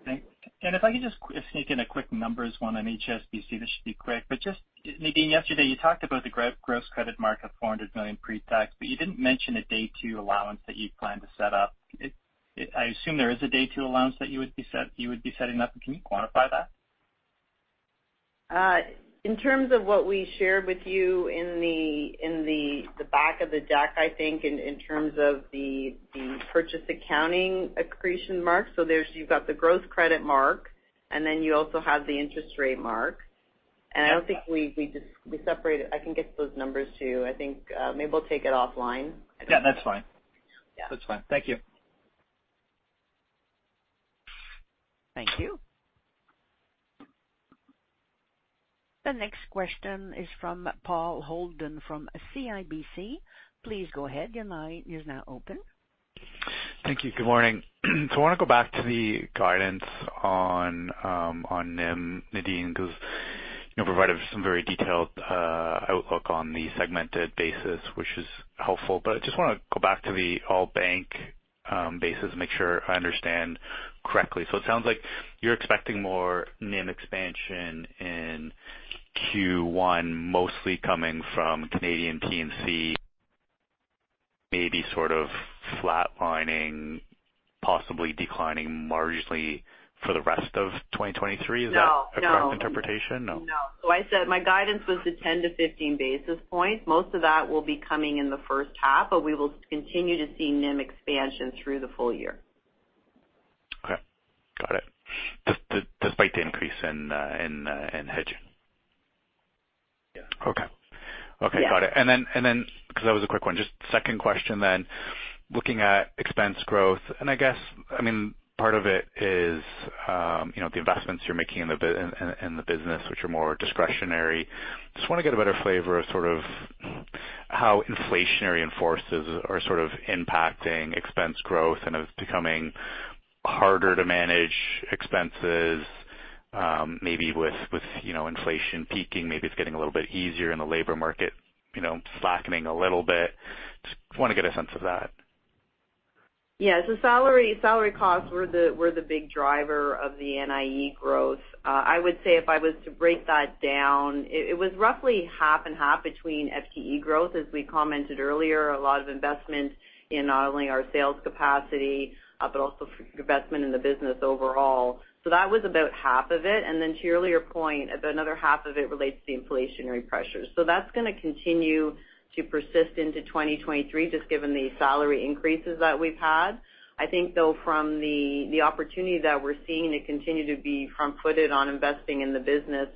Thanks. If I could just quick sneak in a quick numbers one on HSBC, this should be quick. Just, Nadine, yesterday you talked about the gross credit mark of 400 million pre-tax, but you didn't mention a day two allowance that you plan to set up. I assume there is a day two allowance that you would be setting up. Can you quantify that? In terms of what we shared with you in the back of the deck, I think, in terms of the purchase accounting accretion mark. You've got the gross credit mark, and then you also have the interest rate mark. I don't think we separated. I can get those numbers to you. I think, maybe we'll take it offline. Yeah, that's fine. Yeah. That's fine. Thank you. Thank you. The next question is from Paul Holden from CIBC. Please go ahead. Your line is now open. Thank you. Good morning. I want to go back to the guidance on NIM, Nadine, because you provided some very detailed outlook on the segmented basis, which is helpful. I just want to go back to the all bank basis to make sure I understand correctly. It sounds like you're expecting more NIM expansion in Q1, mostly coming from Canadian P&C, maybe sort of flatlining, possibly declining marginally for the rest of 2023. Is that- No. a correct interpretation? No. No. I said my guidance was to 10-15 basis points. Most of that will be coming in the first half, but we will continue to see NIM expansion through the full year. Okay. Got it. Despite the increase in hedging. Yeah. Okay. Okay. Yeah. Got it. Because that was a quick one, just second question then. Looking at expense growth, I guess, I mean, part of it is, you know, the investments you're making in the business, which are more discretionary. Just want to get a better flavor of sort of how inflationary forces are sort of impacting expense growth and is becoming harder to manage expenses, with, you know, inflation peaking, maybe it's getting a little bit easier in the labor market, you know, slackening a little bit. Just want to get a sense of that. Salary costs were the big driver of the NIE growth. I would say if I was to break that down, it was roughly half and half between FTE growth, as we commented earlier, a lot of investment in not only our sales capacity, but also investment in the business overall. That was about half of it. To your earlier point, another half of it relates to the inflationary pressures. That's going to continue to persist into 2023, just given the salary increases that we've had. I think, though, from the opportunity that we're seeing to continue to be front-footed on investing in the business,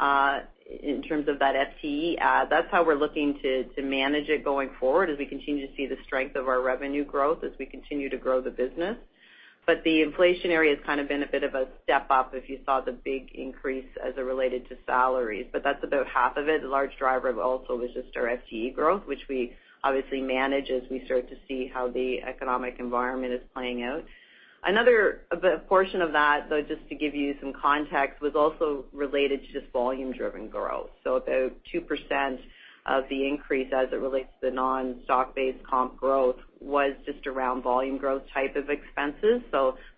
in terms of that FTE add, that's how we're looking to manage it going forward as we continue to see the strength of our revenue growth as we continue to grow the business. The inflationary has kind of been a bit of a step up if you saw the big increase as it related to salaries. That's about half of it. The large driver also was just our FTE growth, which we obviously manage as we start to see how the economic environment is playing out. A portion of that, though, just to give you some context, was also related to just volume-driven growth. About 2% of the increase as it relates to non-stock-based comp growth was just around volume growth type of expenses.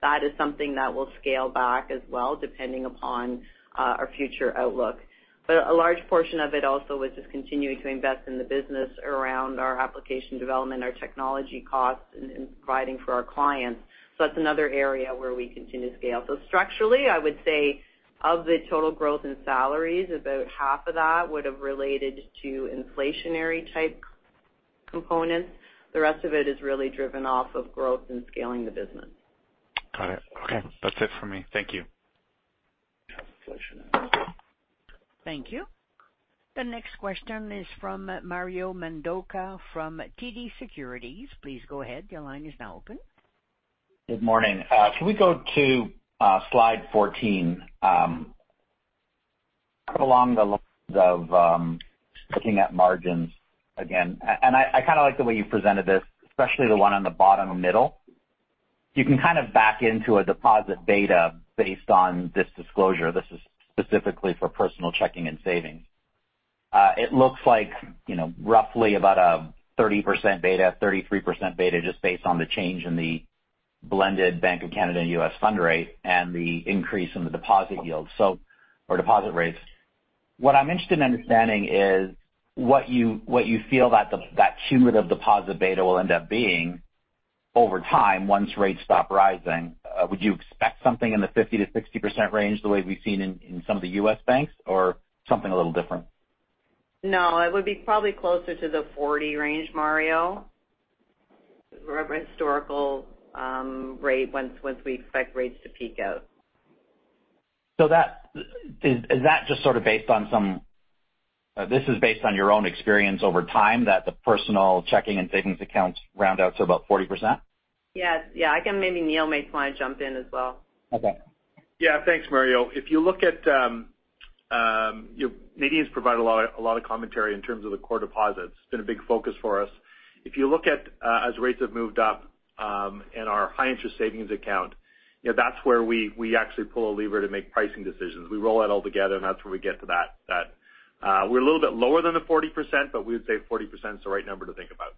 That is something that will scale back as well, depending upon our future outlook. A large portion of it also was just continuing to invest in the business around our application development, our technology costs and providing for our clients. That's another area where we continue to scale. Structurally, I would say of the total growth in salaries, about half of that would have related to inflationary type components. The rest of it is really driven off of growth and scaling the business. Got it. Okay. That's it for me. Thank you. Thank you. The next question is from Mario Mendonca from TD Securities. Please go ahead. Your line is now open. Good morning. Can we go to slide 14 along the lines of looking at margins again? I kind of like the way you presented this, especially the one on the bottom middle. You can kind of back into a deposit beta based on this disclosure. This is specifically for personal checking and savings. It looks like, you know, roughly about a 30% beta, 33% beta, just based on the change in the blended Bank of Canada and US fund rate and the increase in the deposit yield or deposit rates. What I'm interested in understanding is what you feel that cumulative deposit beta will end up being over time once rates stop rising. Would you expect something in the 50%-60% range the way we've seen in some of the U.S. banks, or something a little different? It would be probably closer to the 40 range, Mario. Historical rate once we expect rates to peak out. That is that just sort of based on your own experience over time, that the personal checking and savings accounts round out to about 40%? Yes. Yeah. I can... Maybe Neil may want to jump in as well. Okay. Yeah. Thanks, Mario. If you look at, you know, Nadine's provided a lot of commentary in terms of the core deposits. It's been a big focus for us. If you look at, as rates have moved up, in our high interest savings account, you know, that's where we actually pull a lever to make pricing decisions. We roll that all together, and that's where we get to that. We're a little bit lower than the 40%, but we would say 40% is the right number to think about.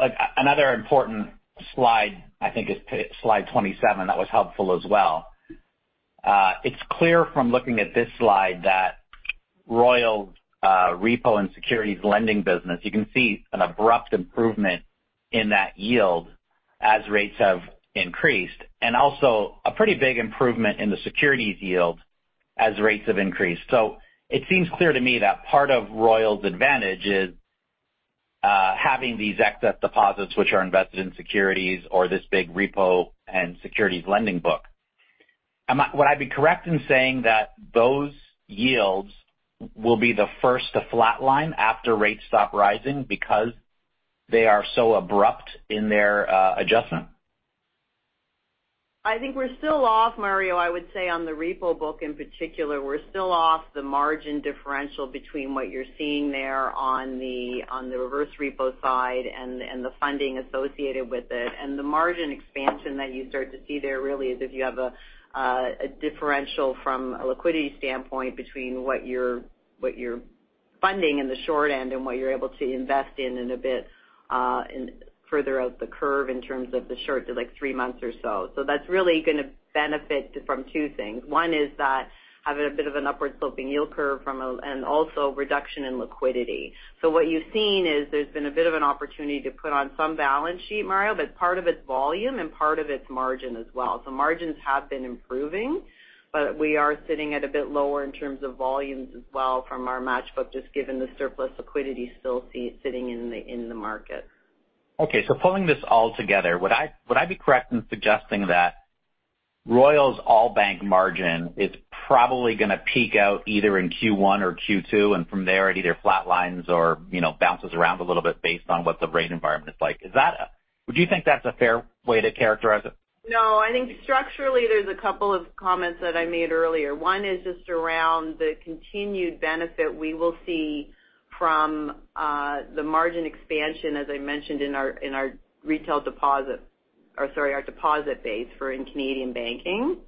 Like, another important slide, I think, is slide 27. That was helpful as well. It's clear from looking at this slide that Royal's repo and securities lending business, you can see an abrupt improvement in that yield as rates have increased and also a pretty big improvement in the securities yield as rates have increased. It seems clear to me that part of Royal's advantage is having these excess deposits, which are invested in securities or this big repo and securities lending book. Would I be correct in saying that those yields will be the first to flatline after rates stop rising because they are so abrupt in their adjustment? I think we're still off, Mario, I would say on the repo book in particular. We're still off the margin differential between what you're seeing there on the, on the reverse repo side and the funding associated with it. The margin expansion that you start to see there really is if you have a differential from a liquidity standpoint between what you're funding in the short end and what you're able to invest in in a bit, further out the curve in terms of the short to like three months or so. That's really going to benefit from two things. One is that having a bit of an upward sloping yield curve and also reduction in liquidity. What you've seen is there's been a bit of an opportunity to put on some balance sheet, Mario, but part of it's volume and part of it's margin as well. Margins have been improving, but we are sitting at a bit lower in terms of volumes as well from our match book, just given the surplus liquidity still sitting in the market. Okay. Pulling this all together, would I be correct in suggesting that Royal's all bank margin is probably going to peak out either in Q1 or Q2, and from there it either flatlines or, you know, bounces around a little bit based on what the rate environment is like? Is that would you think that's a fair way to characterize it? I think structurally, there's a couple of comments that I made earlier. One is just around the continued benefit we will see from the margin expansion, as I mentioned in our deposit base for in Canadian Banking.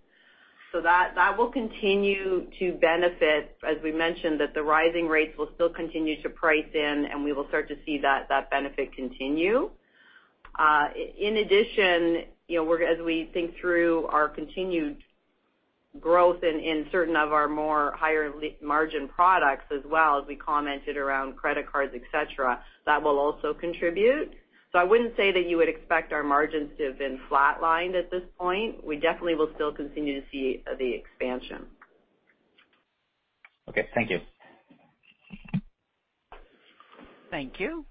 That will continue to benefit. As we mentioned that the rising rates will still continue to price in and we will start to see that benefit continue. In addition, you know, as we think through our continued growth in certain of our more higher margin products as well, as we commented around credit cards, et cetera, that will also contribute. I wouldn't say that you would expect our margins to have been flatlined at this point. We definitely will still continue to see the expansion. Okay. Thank you. Thank you.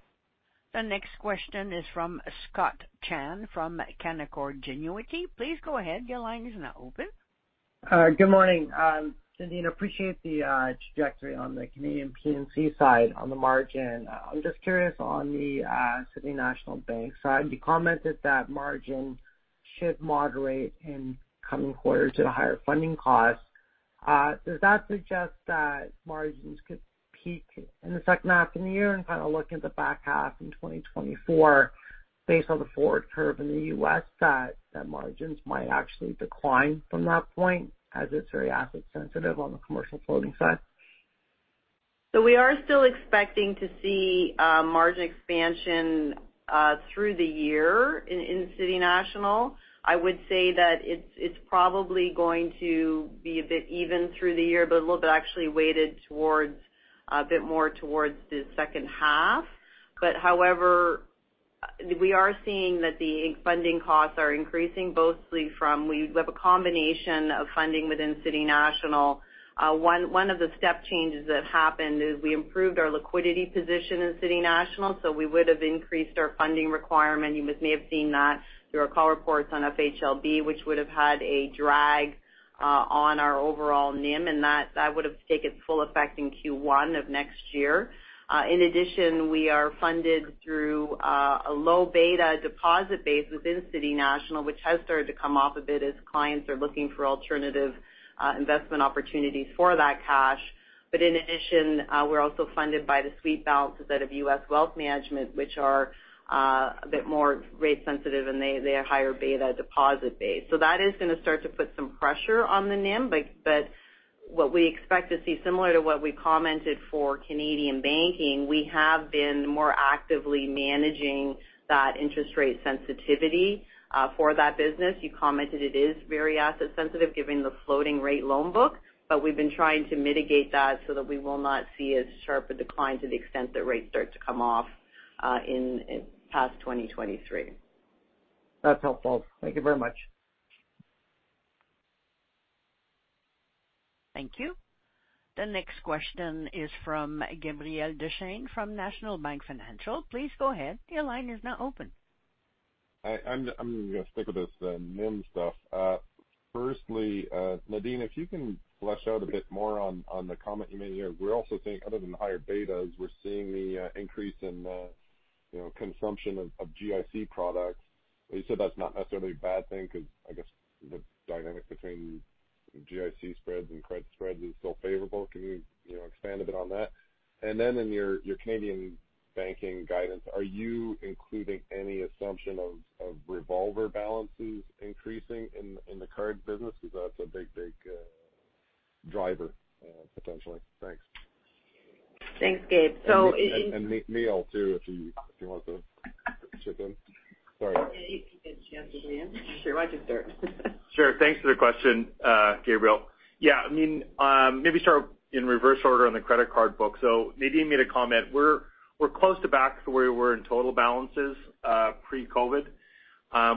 The next question is from Scott Chan from Canaccord Genuity. Please go ahead. Your line is now open. Good morning. Nadine, appreciate the trajectory on the Canadian P&C side on the margin. I'm just curious on the City National Bank side, you commented that margin should moderate in coming quarters at a higher funding cost. Does that suggest that margins could peak in the second half of the year and kind of look at the back half in 2024 based on the forward curve in the US that margins might actually decline from that point as it's very asset sensitive on the commercial floating side? We are still expecting to see margin expansion through the year in City National. I would say that it's probably going to be a bit even through the year, but a little bit actually weighted towards a bit more towards the second half. We are seeing that the funding costs are increasing mostly from we have a combination of funding within City National. One of the step changes that happened is we improved our liquidity position in City National, so we would have increased our funding requirement. You may have seen that through our call reports on FHLB, which would have had a drag on our overall NIM, and that would have taken full effect in Q1 of next year. In addition, we are funded through a low beta deposit base within City National, which has started to come off a bit as clients are looking for alternative investment opportunities for that cash. In addition, we're also funded by the sweep balances out of US wealth management, which are a bit more rate sensitive, and they are higher beta deposit base. That is gonna start to put some pressure on the NIM. What we expect to see similar to what we commented for Canadian banking, we have been more actively managing that interest rate sensitivity for that business. You commented it is very asset sensitive given the floating rate loan book, but we've been trying to mitigate that so that we will not see as sharp a decline to the extent that rates start to come off, in past 2023. That's helpful. Thank you very much. Thank you. The next question is from Gabriel Dechaine from National Bank Financial. Please go ahead, your line is now open. I'm gonna stick with this NIM stuff. Firstly, Nadine, if you can flesh out a bit more on the comment you made here. We're also seeing other than the higher betas, we're seeing the increase in, you know, consumption of GIC products. You said that's not necessarily a bad thing because I guess the dynamic between GIC spreads and credit spreads is still favorable. Can you know, expand a bit on that? Then in your Canadian banking guidance, are you including any assumption of revolver balances increasing in the card business? Because that's a big, big driver, potentially. Thanks. Thanks, Gabe. Neil too, if you, if you want to chip in. Sorry. If he gets a chance, again. You're sure why just start. Sure. Thanks for the question, Gabriel. Yeah, I mean, maybe start in reverse order on the credit card book. Nadine made a comment. We're close to back to where we were in total balances pre-COVID.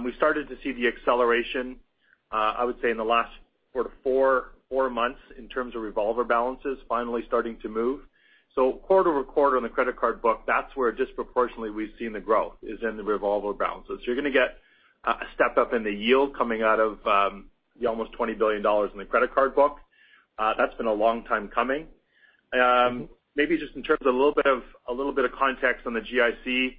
We started to see the acceleration, I would say in the last sort of four months in terms of revolver balances finally starting to move. Quarter-over-quarter on the credit card book, that's where disproportionately we've seen the growth is in the revolver balances. You're gonna get a step-up in the yield coming out of the almost 20 billion dollars in the credit card book. That's been a long time coming. Maybe just in terms of a little bit of context on the GIC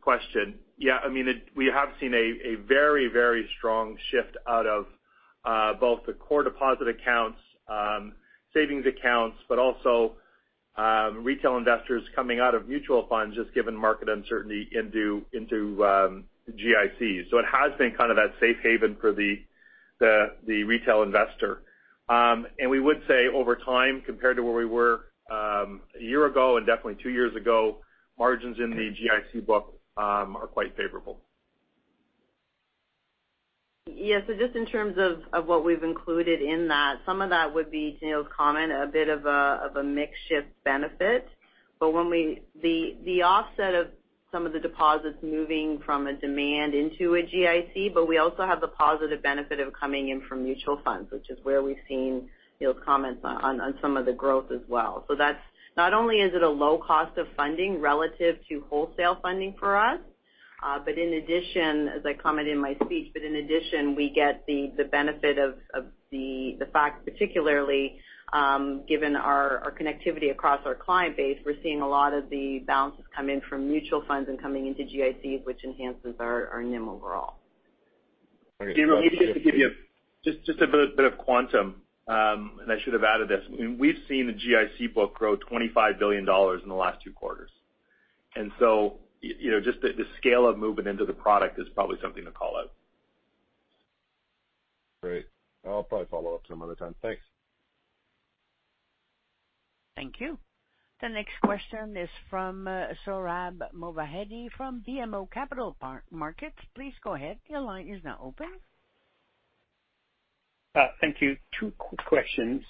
question. Yeah, I mean, we have seen a very, very strong shift out of both the core deposit accounts, savings accounts, but also retail investors coming out of mutual funds just given market uncertainty into the GICs. It has been kind of that safe haven for the retail investor. We would say over time, compared to where we were a year ago and definitely two years ago, margins in the GIC book are quite favorable. Just in terms of what we've included in that, some of that would be Neil's comment, a bit of a mix shift benefit. The offset of some of the deposits moving from a demand into a GIC, but we also have the positive benefit of coming in from mutual funds, which is where we've seen Neil's comments on some of the growth as well. That's not only is it a low cost of funding relative to wholesale funding for us, but in addition, as I commented in my speech, but in addition, we get the benefit of the fact, particularly, given our connectivity across our client base, we're seeing a lot of the balances come in from mutual funds and coming into GICs, which enhances our NIM overall. Gabriel, let me just give you just a bit of quantum. I should have added this. I mean, we've seen the GIC book grow 25 billion dollars in the last two quarters. So, you know, just the scale of movement into the product is probably something to call out. Great. I'll probably follow up some other time. Thanks. Thank you. The next question is from Sohrab Movahedi from BMO Capital Markets. Please go ahead, your line is now open. Thank you. Two quick questions.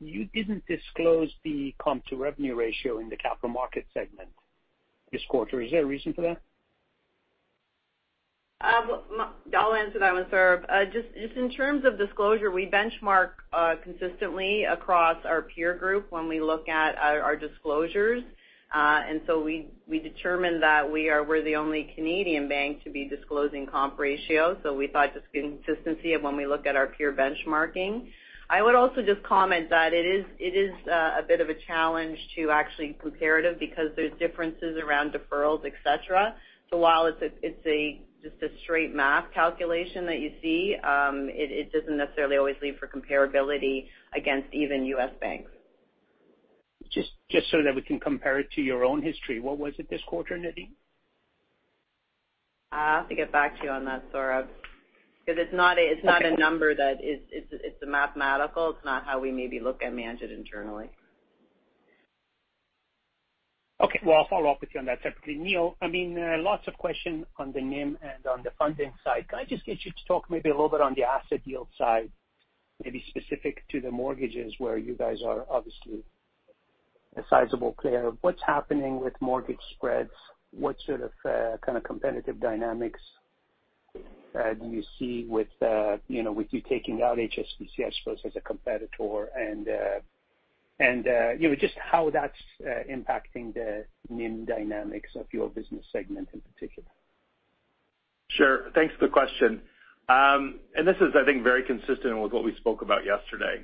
You didn't disclose the comp to revenue ratio in the Capital Markets segment this quarter. Is there a reason for that? Well, I'll answer that one, Sohrab. Just in terms of disclosure, we benchmark consistently across our peer group when we look at our disclosures. We determine that we're the only Canadian bank to be disclosing comp ratio, so we thought just consistency of when we look at our peer benchmarking. I would also just comment that it is a bit of a challenge to actually comparative because there's differences around deferrals, et cetera. While it's a just a straight math calculation that you see, it doesn't necessarily always leave for comparability against even US banks. Just so that we can compare it to your own history, what was it this quarter, Nadine? I'll have to get back to you on that, Sohrab. It's not a number that it's a mathematical. It's not how we maybe look and manage it internally. Well, I'll follow up with you on that separately. Neil, I mean, lots of questions on the NIM and on the funding side. Can I just get you to talk maybe a little bit on the asset yield side, maybe specific to the mortgages where you guys are obviously a sizable player. What's happening with mortgage spreads? What sort of kind of competitive dynamics do you see with, you know, with you taking out HSBC, I suppose, as a competitor and, you know, just how that's impacting the NIM dynamics of your business segment in particular? Sure. Thanks for the question. This is I think, very consistent with what we spoke about yesterday.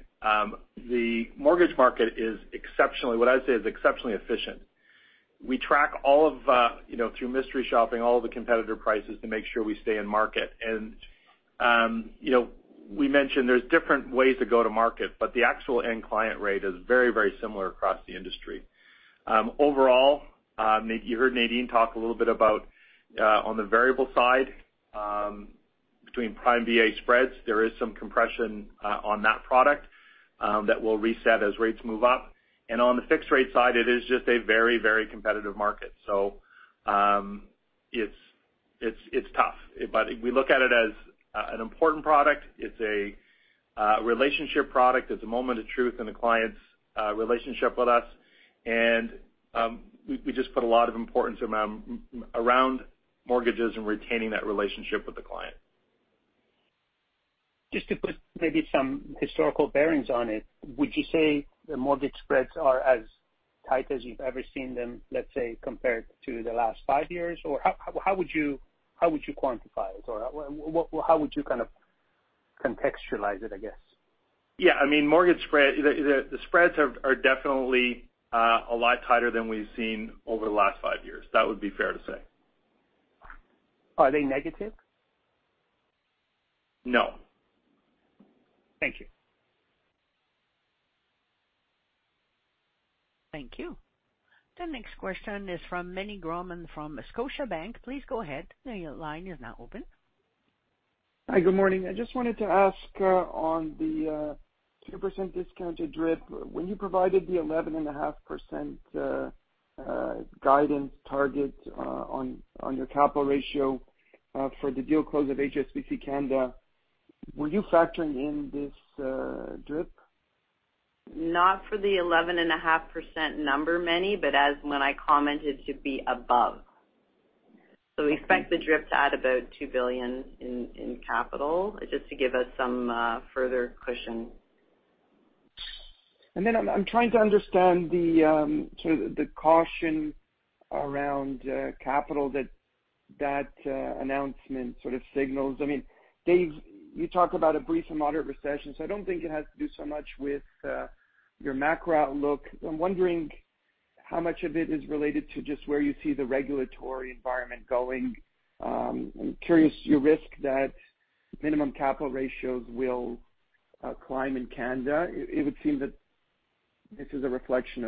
The mortgage market is exceptionally what I would say is exceptionally efficient. We track all of, you know, through mystery shopping, all the competitor prices to make sure we stay in market. You know, we mentioned there's different ways to go to market, but the actual end client rate is very, very similar across the industry. Overall, you heard Nadine talk a little bit about on the variable side, between prime-BA spreads, there is some compression on that product that will reset as rates move up. On the fixed rate side, it is just a very, very competitive market. It's, it's tough. We look at it as an important product. It's a relationship product. It's a moment of truth in the client's relationship with us. We just put a lot of importance around mortgages and retaining that relationship with the client. Just to put maybe some historical bearings on it, would you say the mortgage spreads are as tight as you've ever seen them, let's say, compared to the last 5 years? Or how would you, how would you quantify it? Or what, how would you kind of contextualize it, I guess? Yeah. I mean, mortgage spread, the spreads are definitely a lot tighter than we've seen over the last five years. That would be fair to say. Are they negative? No. Thank you. Thank you. The next question is from Meny Grauman from Scotiabank. Please go ahead. Your line is now open. Hi, good morning. I just wanted to ask on the 2% discounted DRIP. When you provided the 11.5% guidance target on your capital ratio for the deal close of HSBC Canada, were you factoring in this DRIP? Not for the 11.5% number, Manny, but as when I commented to be above. We expect the DRIP to add about 2 billion in capital just to give us some further cushion. I'm trying to understand the sort of the caution around capital that announcement sort of signals. I mean, Dave, you talk about a brief and moderate recession, so I don't think it has to do so much with your macro outlook. I'm wondering how much of it is related to just where you see the regulatory environment going. I'm curious, you risk that minimum capital ratios will climb in Canada. It would seem that this is a reflection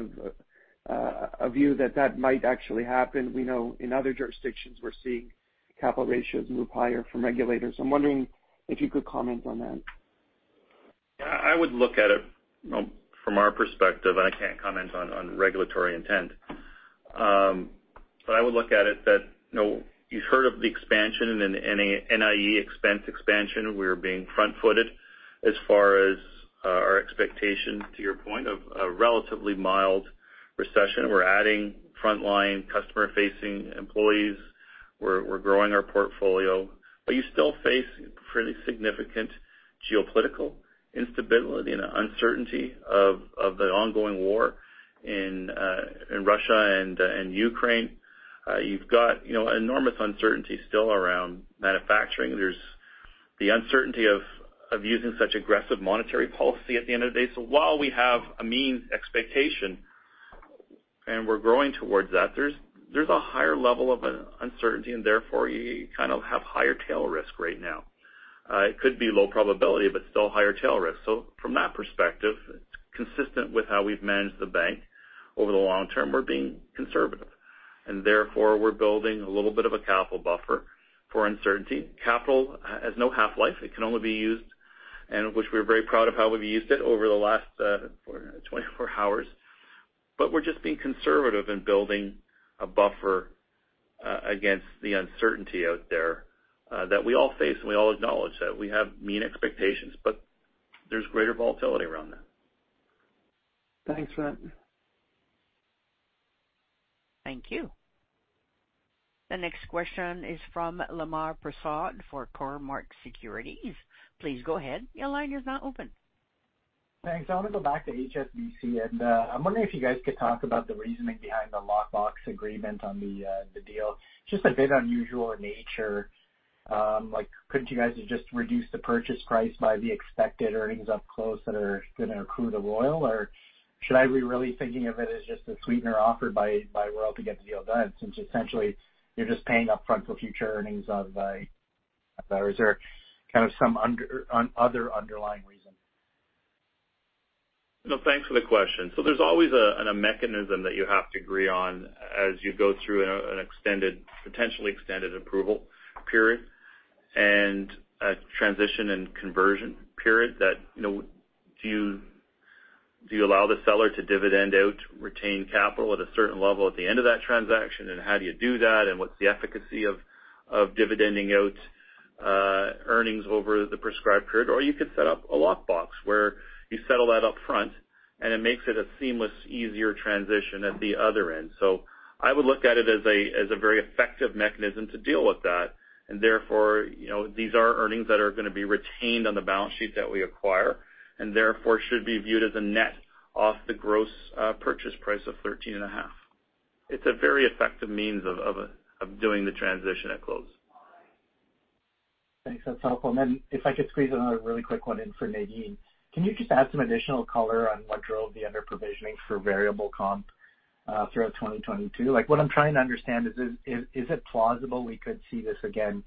of a view that might actually happen. We know in other jurisdictions we're seeing capital ratios move higher from regulators. I'm wondering if you could comment on that. I would look at it, you know, from our perspective, I can't comment on regulatory intent. I would look at it that, you know, you've heard of the expansion and then NIE expense expansion. We're being front-footed as far as our expectation to your point of a relatively mild recession. We're adding frontline customer-facing employees. We're growing our portfolio. You still face pretty significant geopolitical instability and uncertainty of the ongoing war in Russia and Ukraine. You've got, you know, enormous uncertainty still around manufacturing. There's the uncertainty of using such aggressive monetary policy at the end of the day. While we have a mean expectation and we're growing towards that, there's a higher level of uncertainty, and therefore you kind of have higher tail risk right now. It could be low probability, but still higher tail risk. From that perspective, it's consistent with how we've managed the bank over the long term. We're being conservative, and therefore we're building a little bit of a capital buffer for uncertainty. Capital has no half-life. It can only be used, and which we're very proud of how we've used it over the last 24 hours. We're just being conservative in building a buffer against the uncertainty out there that we all face, and we all acknowledge that we have mean expectations, but there's greater volatility around that. Thanks for that. Thank you. The next question is from Lemar Persaud for Cormark Securities. Please go ahead. Your line is now open. Thanks. I want to go back to HSBC, I'm wondering if you guys could talk about the reasoning behind the locked-box agreement on the deal. It's just a bit unusual in nature. Like, couldn't you guys have just reduced the purchase price by the expected earnings up close that are going to accrue to Royal? Should I be really thinking of it as just a sweetener offered by Royal to get the deal done, since essentially you're just paying up front for future earnings of the reserve? Kind of some other underlying reason? No, thanks for the question. There's always a mechanism that you have to agree on as you go through an extended, potentially extended approval period and a transition and conversion period that, you know, do you allow the seller to dividend out retained capital at a certain level at the end of that transaction? How do you do that? What's the efficacy of dividending out? Earnings over the prescribed period, or you could set up a lockbox where you settle that upfront and it makes it a seamless, easier transition at the other end. I would look at it as a very effective mechanism to deal with that. Therefore, you know, these are earnings that are going to be retained on the balance sheet that we acquire, and therefore should be viewed as a net off the gross purchase price of thirteen and a half. It's a very effective means of doing the transition at close. Thanks. That's helpful. If I could squeeze another really quick one in for Nadine. Can you just add some additional color on what drove the underprovisioning for variable comp throughout 2022? What I'm trying to understand is it plausible we could see this again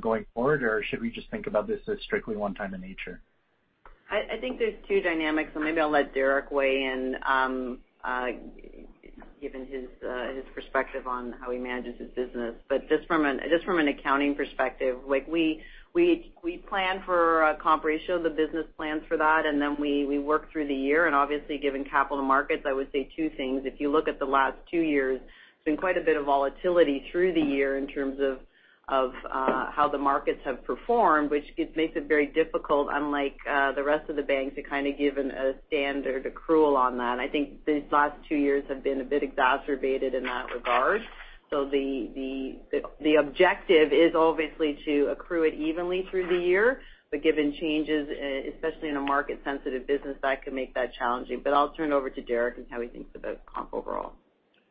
going forward, or should we just think about this as strictly one time in nature? I think there's two dynamics. Maybe I'll let Derek weigh in, given his perspective on how he manages his business. Just from an accounting perspective, we plan for a comp ratio, the business plans for that, and then we work through the year. Obviously, given capital markets, I would say two things. If you look at the last two years, there's been quite a bit of volatility through the year in terms of how the markets have performed, which it makes it very difficult, unlike the rest of the banks, to kind of give a standard accrual on that. I think these last two years have been a bit exacerbated in that regard. The objective is obviously to accrue it evenly through the year. Given changes, especially in a market sensitive business, that can make that challenging. I'll turn it over to Derek and how he thinks about comp overall.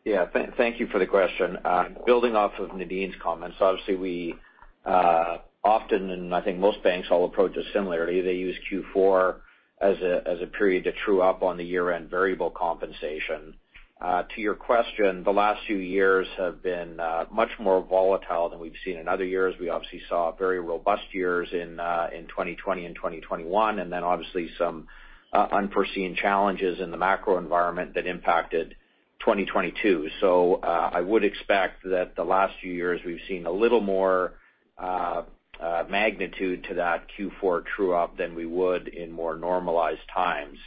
Yeah. Thank you for the question. Building off of Nadine's comments, obviously we often, I think most banks all approach this similarly, they use Q4 as a period to true up on the year-end variable compensation. To your question, the last few years have been much more volatile than we've seen in other years. We obviously saw very robust years in 2020 and 2021, then obviously some unforeseen challenges in the macro environment that impacted 2022. I would expect that the last few years we've seen a little more magnitude to that Q4 true up than we would in more normalized times.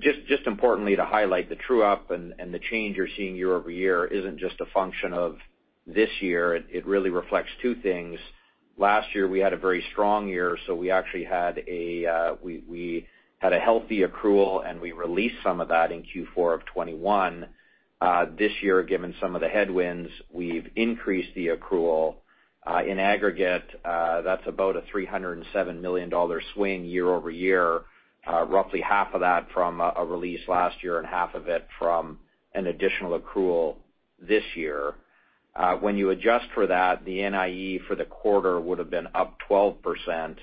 Just importantly, to highlight the true up and the change you're seeing year-over-year isn't just a function of this year. It really reflects two things. Last year we had a very strong year, so we actually had a healthy accrual and we released some of that in Q4 of 2021. This year, given some of the headwinds, we've increased the accrual. In aggregate, that's about a 307 million dollar swing year-over-year. Roughly half of that from a release last year and half of it from an additional accrual this year. When you adjust for that, the NIE for the quarter would have been up 12%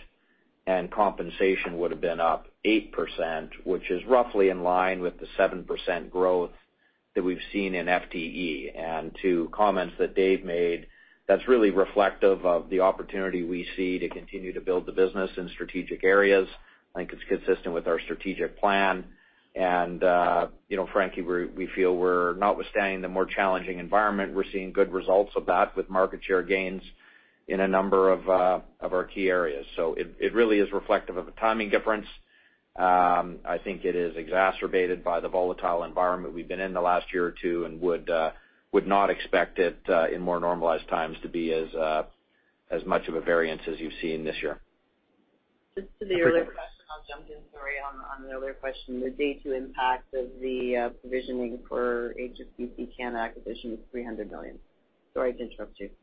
and compensation would have been up 8%, which is roughly in line with the 7% growth that we've seen in FTE. To comments that Dave made, that's really reflective of the opportunity we see to continue to build the business in strategic areas. I think it's consistent with our strategic plan. You know, frankly, we feel we're notwithstanding the more challenging environment. We're seeing good results of that with market share gains in a number of our key areas. It really is reflective of a timing difference. I think it is exacerbated by the volatile environment we've been in the last year or two and would not expect it in more normalized times to be as much of a variance as you've seen this year. Just to the earlier question, I'll jump in, sorry, on the other question. The day two impact of the provisioning for HSBC Canada acquisition was 300 million. Sorry to interrupt you. I think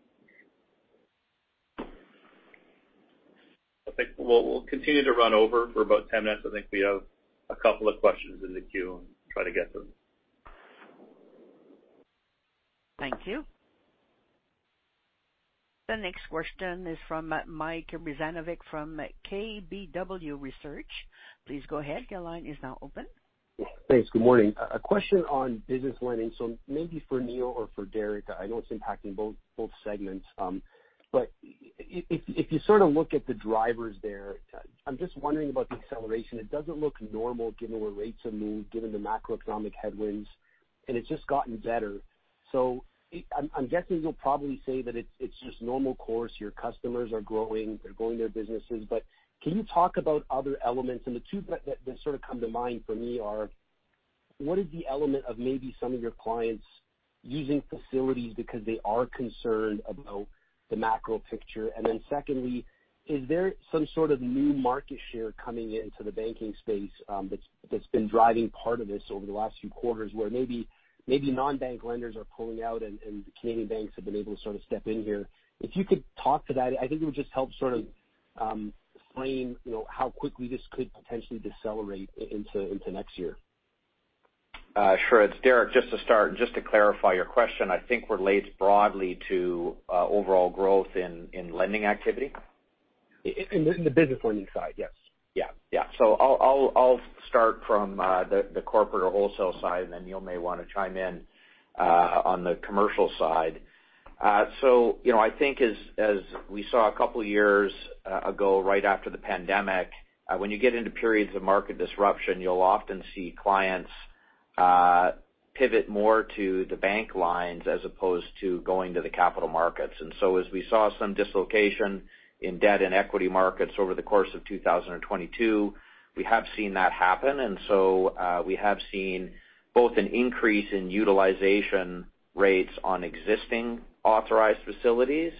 we'll continue to run over for about 10 minutes. I think we have a couple of questions in the queue and try to get them. Thank you. The next question is from Mike Rizvanovic from KBW. Please go ahead. Your line is now open. Thanks. Good morning. A question on business lending. Maybe for Neil or for Derek. I know it's impacting both segments. If you sort of look at the drivers there, I'm just wondering about the acceleration. It doesn't look normal given where rates have moved, given the macroeconomic headwinds, and it's just gotten better. I'm guessing you'll probably say that it's just normal course. Your customers are growing, they're growing their businesses. Can you talk about other elements? The two that sort of come to mind for me are, what is the element of maybe some of your clients using facilities because they are concerned about the macro picture? Secondly, is there some sort of new market share coming into the banking space, that's been driving part of this over the last few quarters where maybe non-bank lenders are pulling out and the Canadian banks have been able to sort of step in here? If you could talk to that, I think it would just help sort of, frame, you know, how quickly this could potentially decelerate into next year. Sure. It's Derek. Just to start and just to clarify your question, I think relates broadly to overall growth in lending activity. In the business lending side, yes. Yeah. Yeah. I'll start from the corporate or wholesale side, and then Neil may want to chime in on the commercial side. You know, I think as we saw a couple of years ago, right after the pandemic, when you get into periods of market disruption, you'll often see clients pivot more to the bank lines as opposed to going to the capital markets. As we saw some dislocation in debt and equity markets over the course of 2022, we have seen that happen. We have seen both an increase in utilization rates on existing authorized facilities.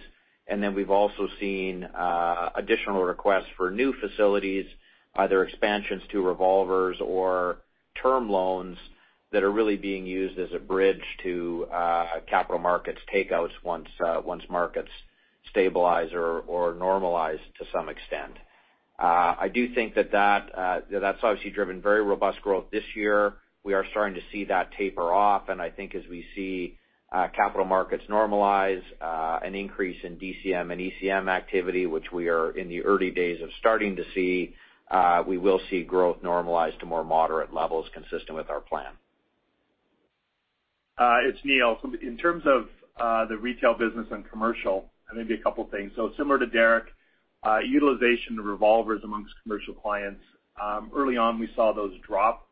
We've also seen additional requests for new facilities, either expansions to revolvers or term loans that are really being used as a bridge to capital markets takeouts once markets stabilize or normalize to some extent. I do think that's obviously driven very robust growth this year. We are starting to see that taper off, and I think as we see capital markets normalize, an increase in DCM and ECM activity, which we are in the early days of starting to see, we will see growth normalize to more moderate levels consistent with our plan. It's Neil. In terms of the retail business and commercial, maybe a couple things. Similar to Derek, utilization of revolvers amongst commercial clients, early on, we saw those drop.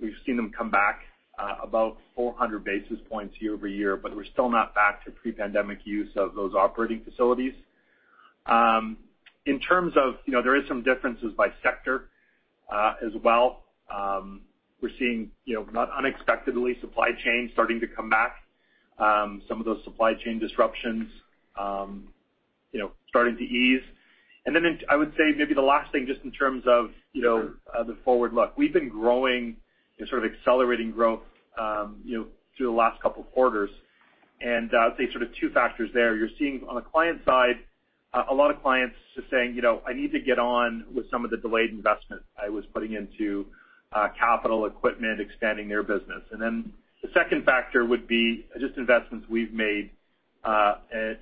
We've seen them come back, about 400 basis points year-over-year, but we're still not back to pre-pandemic use of those operating facilities. In terms of, you know, there is some differences by sector as well. We're seeing, you know, not unexpectedly, supply chain starting to come back. Some of those supply chain disruptions, you know, starting to ease. I would say maybe the last thing just in terms of, you know, the forward look. We've been growing and sort of accelerating growth, you know, through the last couple of quarters. I'd say sort of two factors there. You're seeing on the client side, a lot of clients just saying, you know, "I need to get on with some of the delayed investment I was putting into, capital equipment," expanding their business. The second factor would be just investments we've made,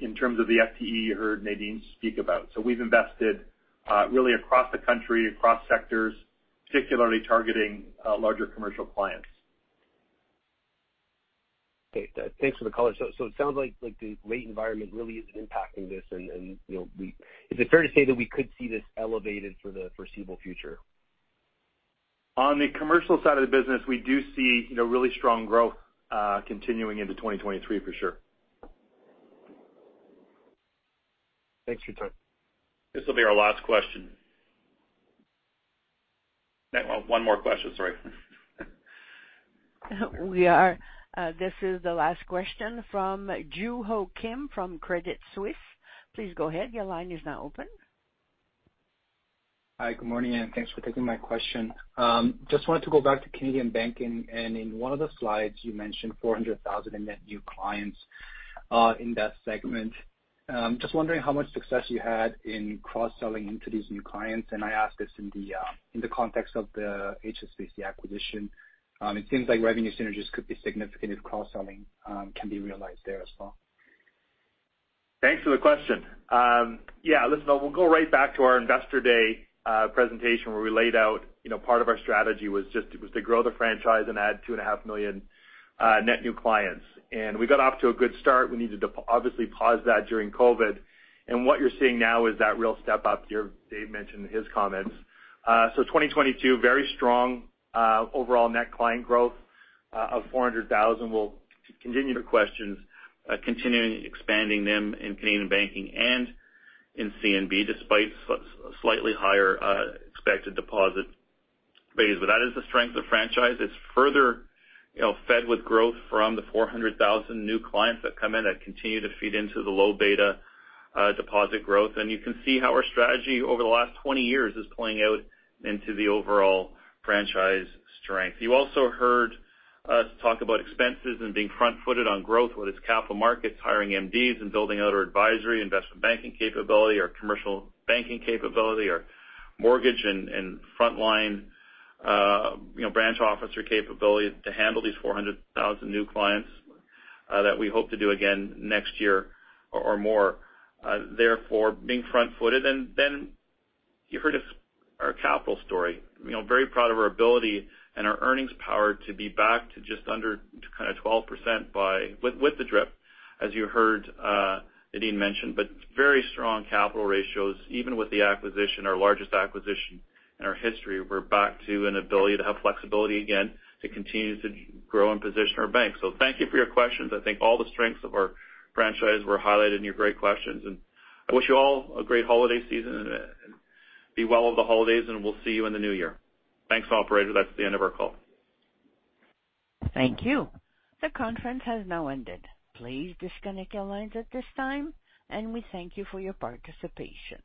in terms of the FTE you heard Nadine speak about. We've invested, really across the country, across sectors, particularly targeting, larger commercial clients. Thanks for the color. It sounds like the rate environment really isn't impacting this and, you know, is it fair to say that we could see this elevated for the foreseeable future? On the commercial side of the business, we do see, you know, really strong growth, continuing into 2023 for sure. Thanks for your time. This will be our last question. One more question, sorry. This is the last question from Joo Ho Kim from Credit Suisse. Please go ahead. Your line is now open. Hi. Good morning, and thanks for taking my question. just wanted to go back to Canadian banking, and in one of the slides you mentioned 400,000 in net new clients, in that segment. just wondering how much success you had in cross-selling into these new clients, and I ask this in the context of the HSBC acquisition. it seems like revenue synergies could be significant if cross-selling, can be realized there as well. Thanks for the question. Yeah, listen, we'll go right back to our Investor Day presentation, where we laid out, you know, part of our strategy was just to grow the franchise and add 2.5 million net new clients. We got off to a good start. We needed to obviously pause that during COVID. What you're seeing now is that real step up Dave mentioned in his comments. So 2022, very strong overall net client growth of 400,000. We'll continue the questions, continuing expanding them in Canadian banking and in CNB, despite slightly higher expected deposit base. That is the strength of franchise. It's further, you know, fed with growth from the 400,000 new clients that come in that continue to feed into the low beta deposit growth. You can see how our strategy over the last 20 years is playing out into the overall franchise strength. You also heard us talk about expenses and being front-footed on growth, whether it's Capital Markets, hiring MDs and building out our advisory investment banking capability or commercial banking capability or mortgage and frontline, you know, branch officer capability to handle these 400,000 new clients that we hope to do again next year or more. Therefore, being front-footed. Then you heard our capital story. You know, very proud of our ability and our earnings power to be back to just under kind of 12% with the DRIP, as you heard Nadine mention. Very strong capital ratios. Even with the acquisition, our largest acquisition in our history, we're back to an ability to have flexibility again to continue to grow and position our bank. Thank you for your questions. I think all the strengths of our franchise were highlighted in your great questions. I wish you all a great holiday season and be well over the holidays, and we'll see you in the new year. Thanks, operator. That's the end of our call. Thank you. The conference has now ended. Please disconnect your lines at this time, and we thank you for your participation.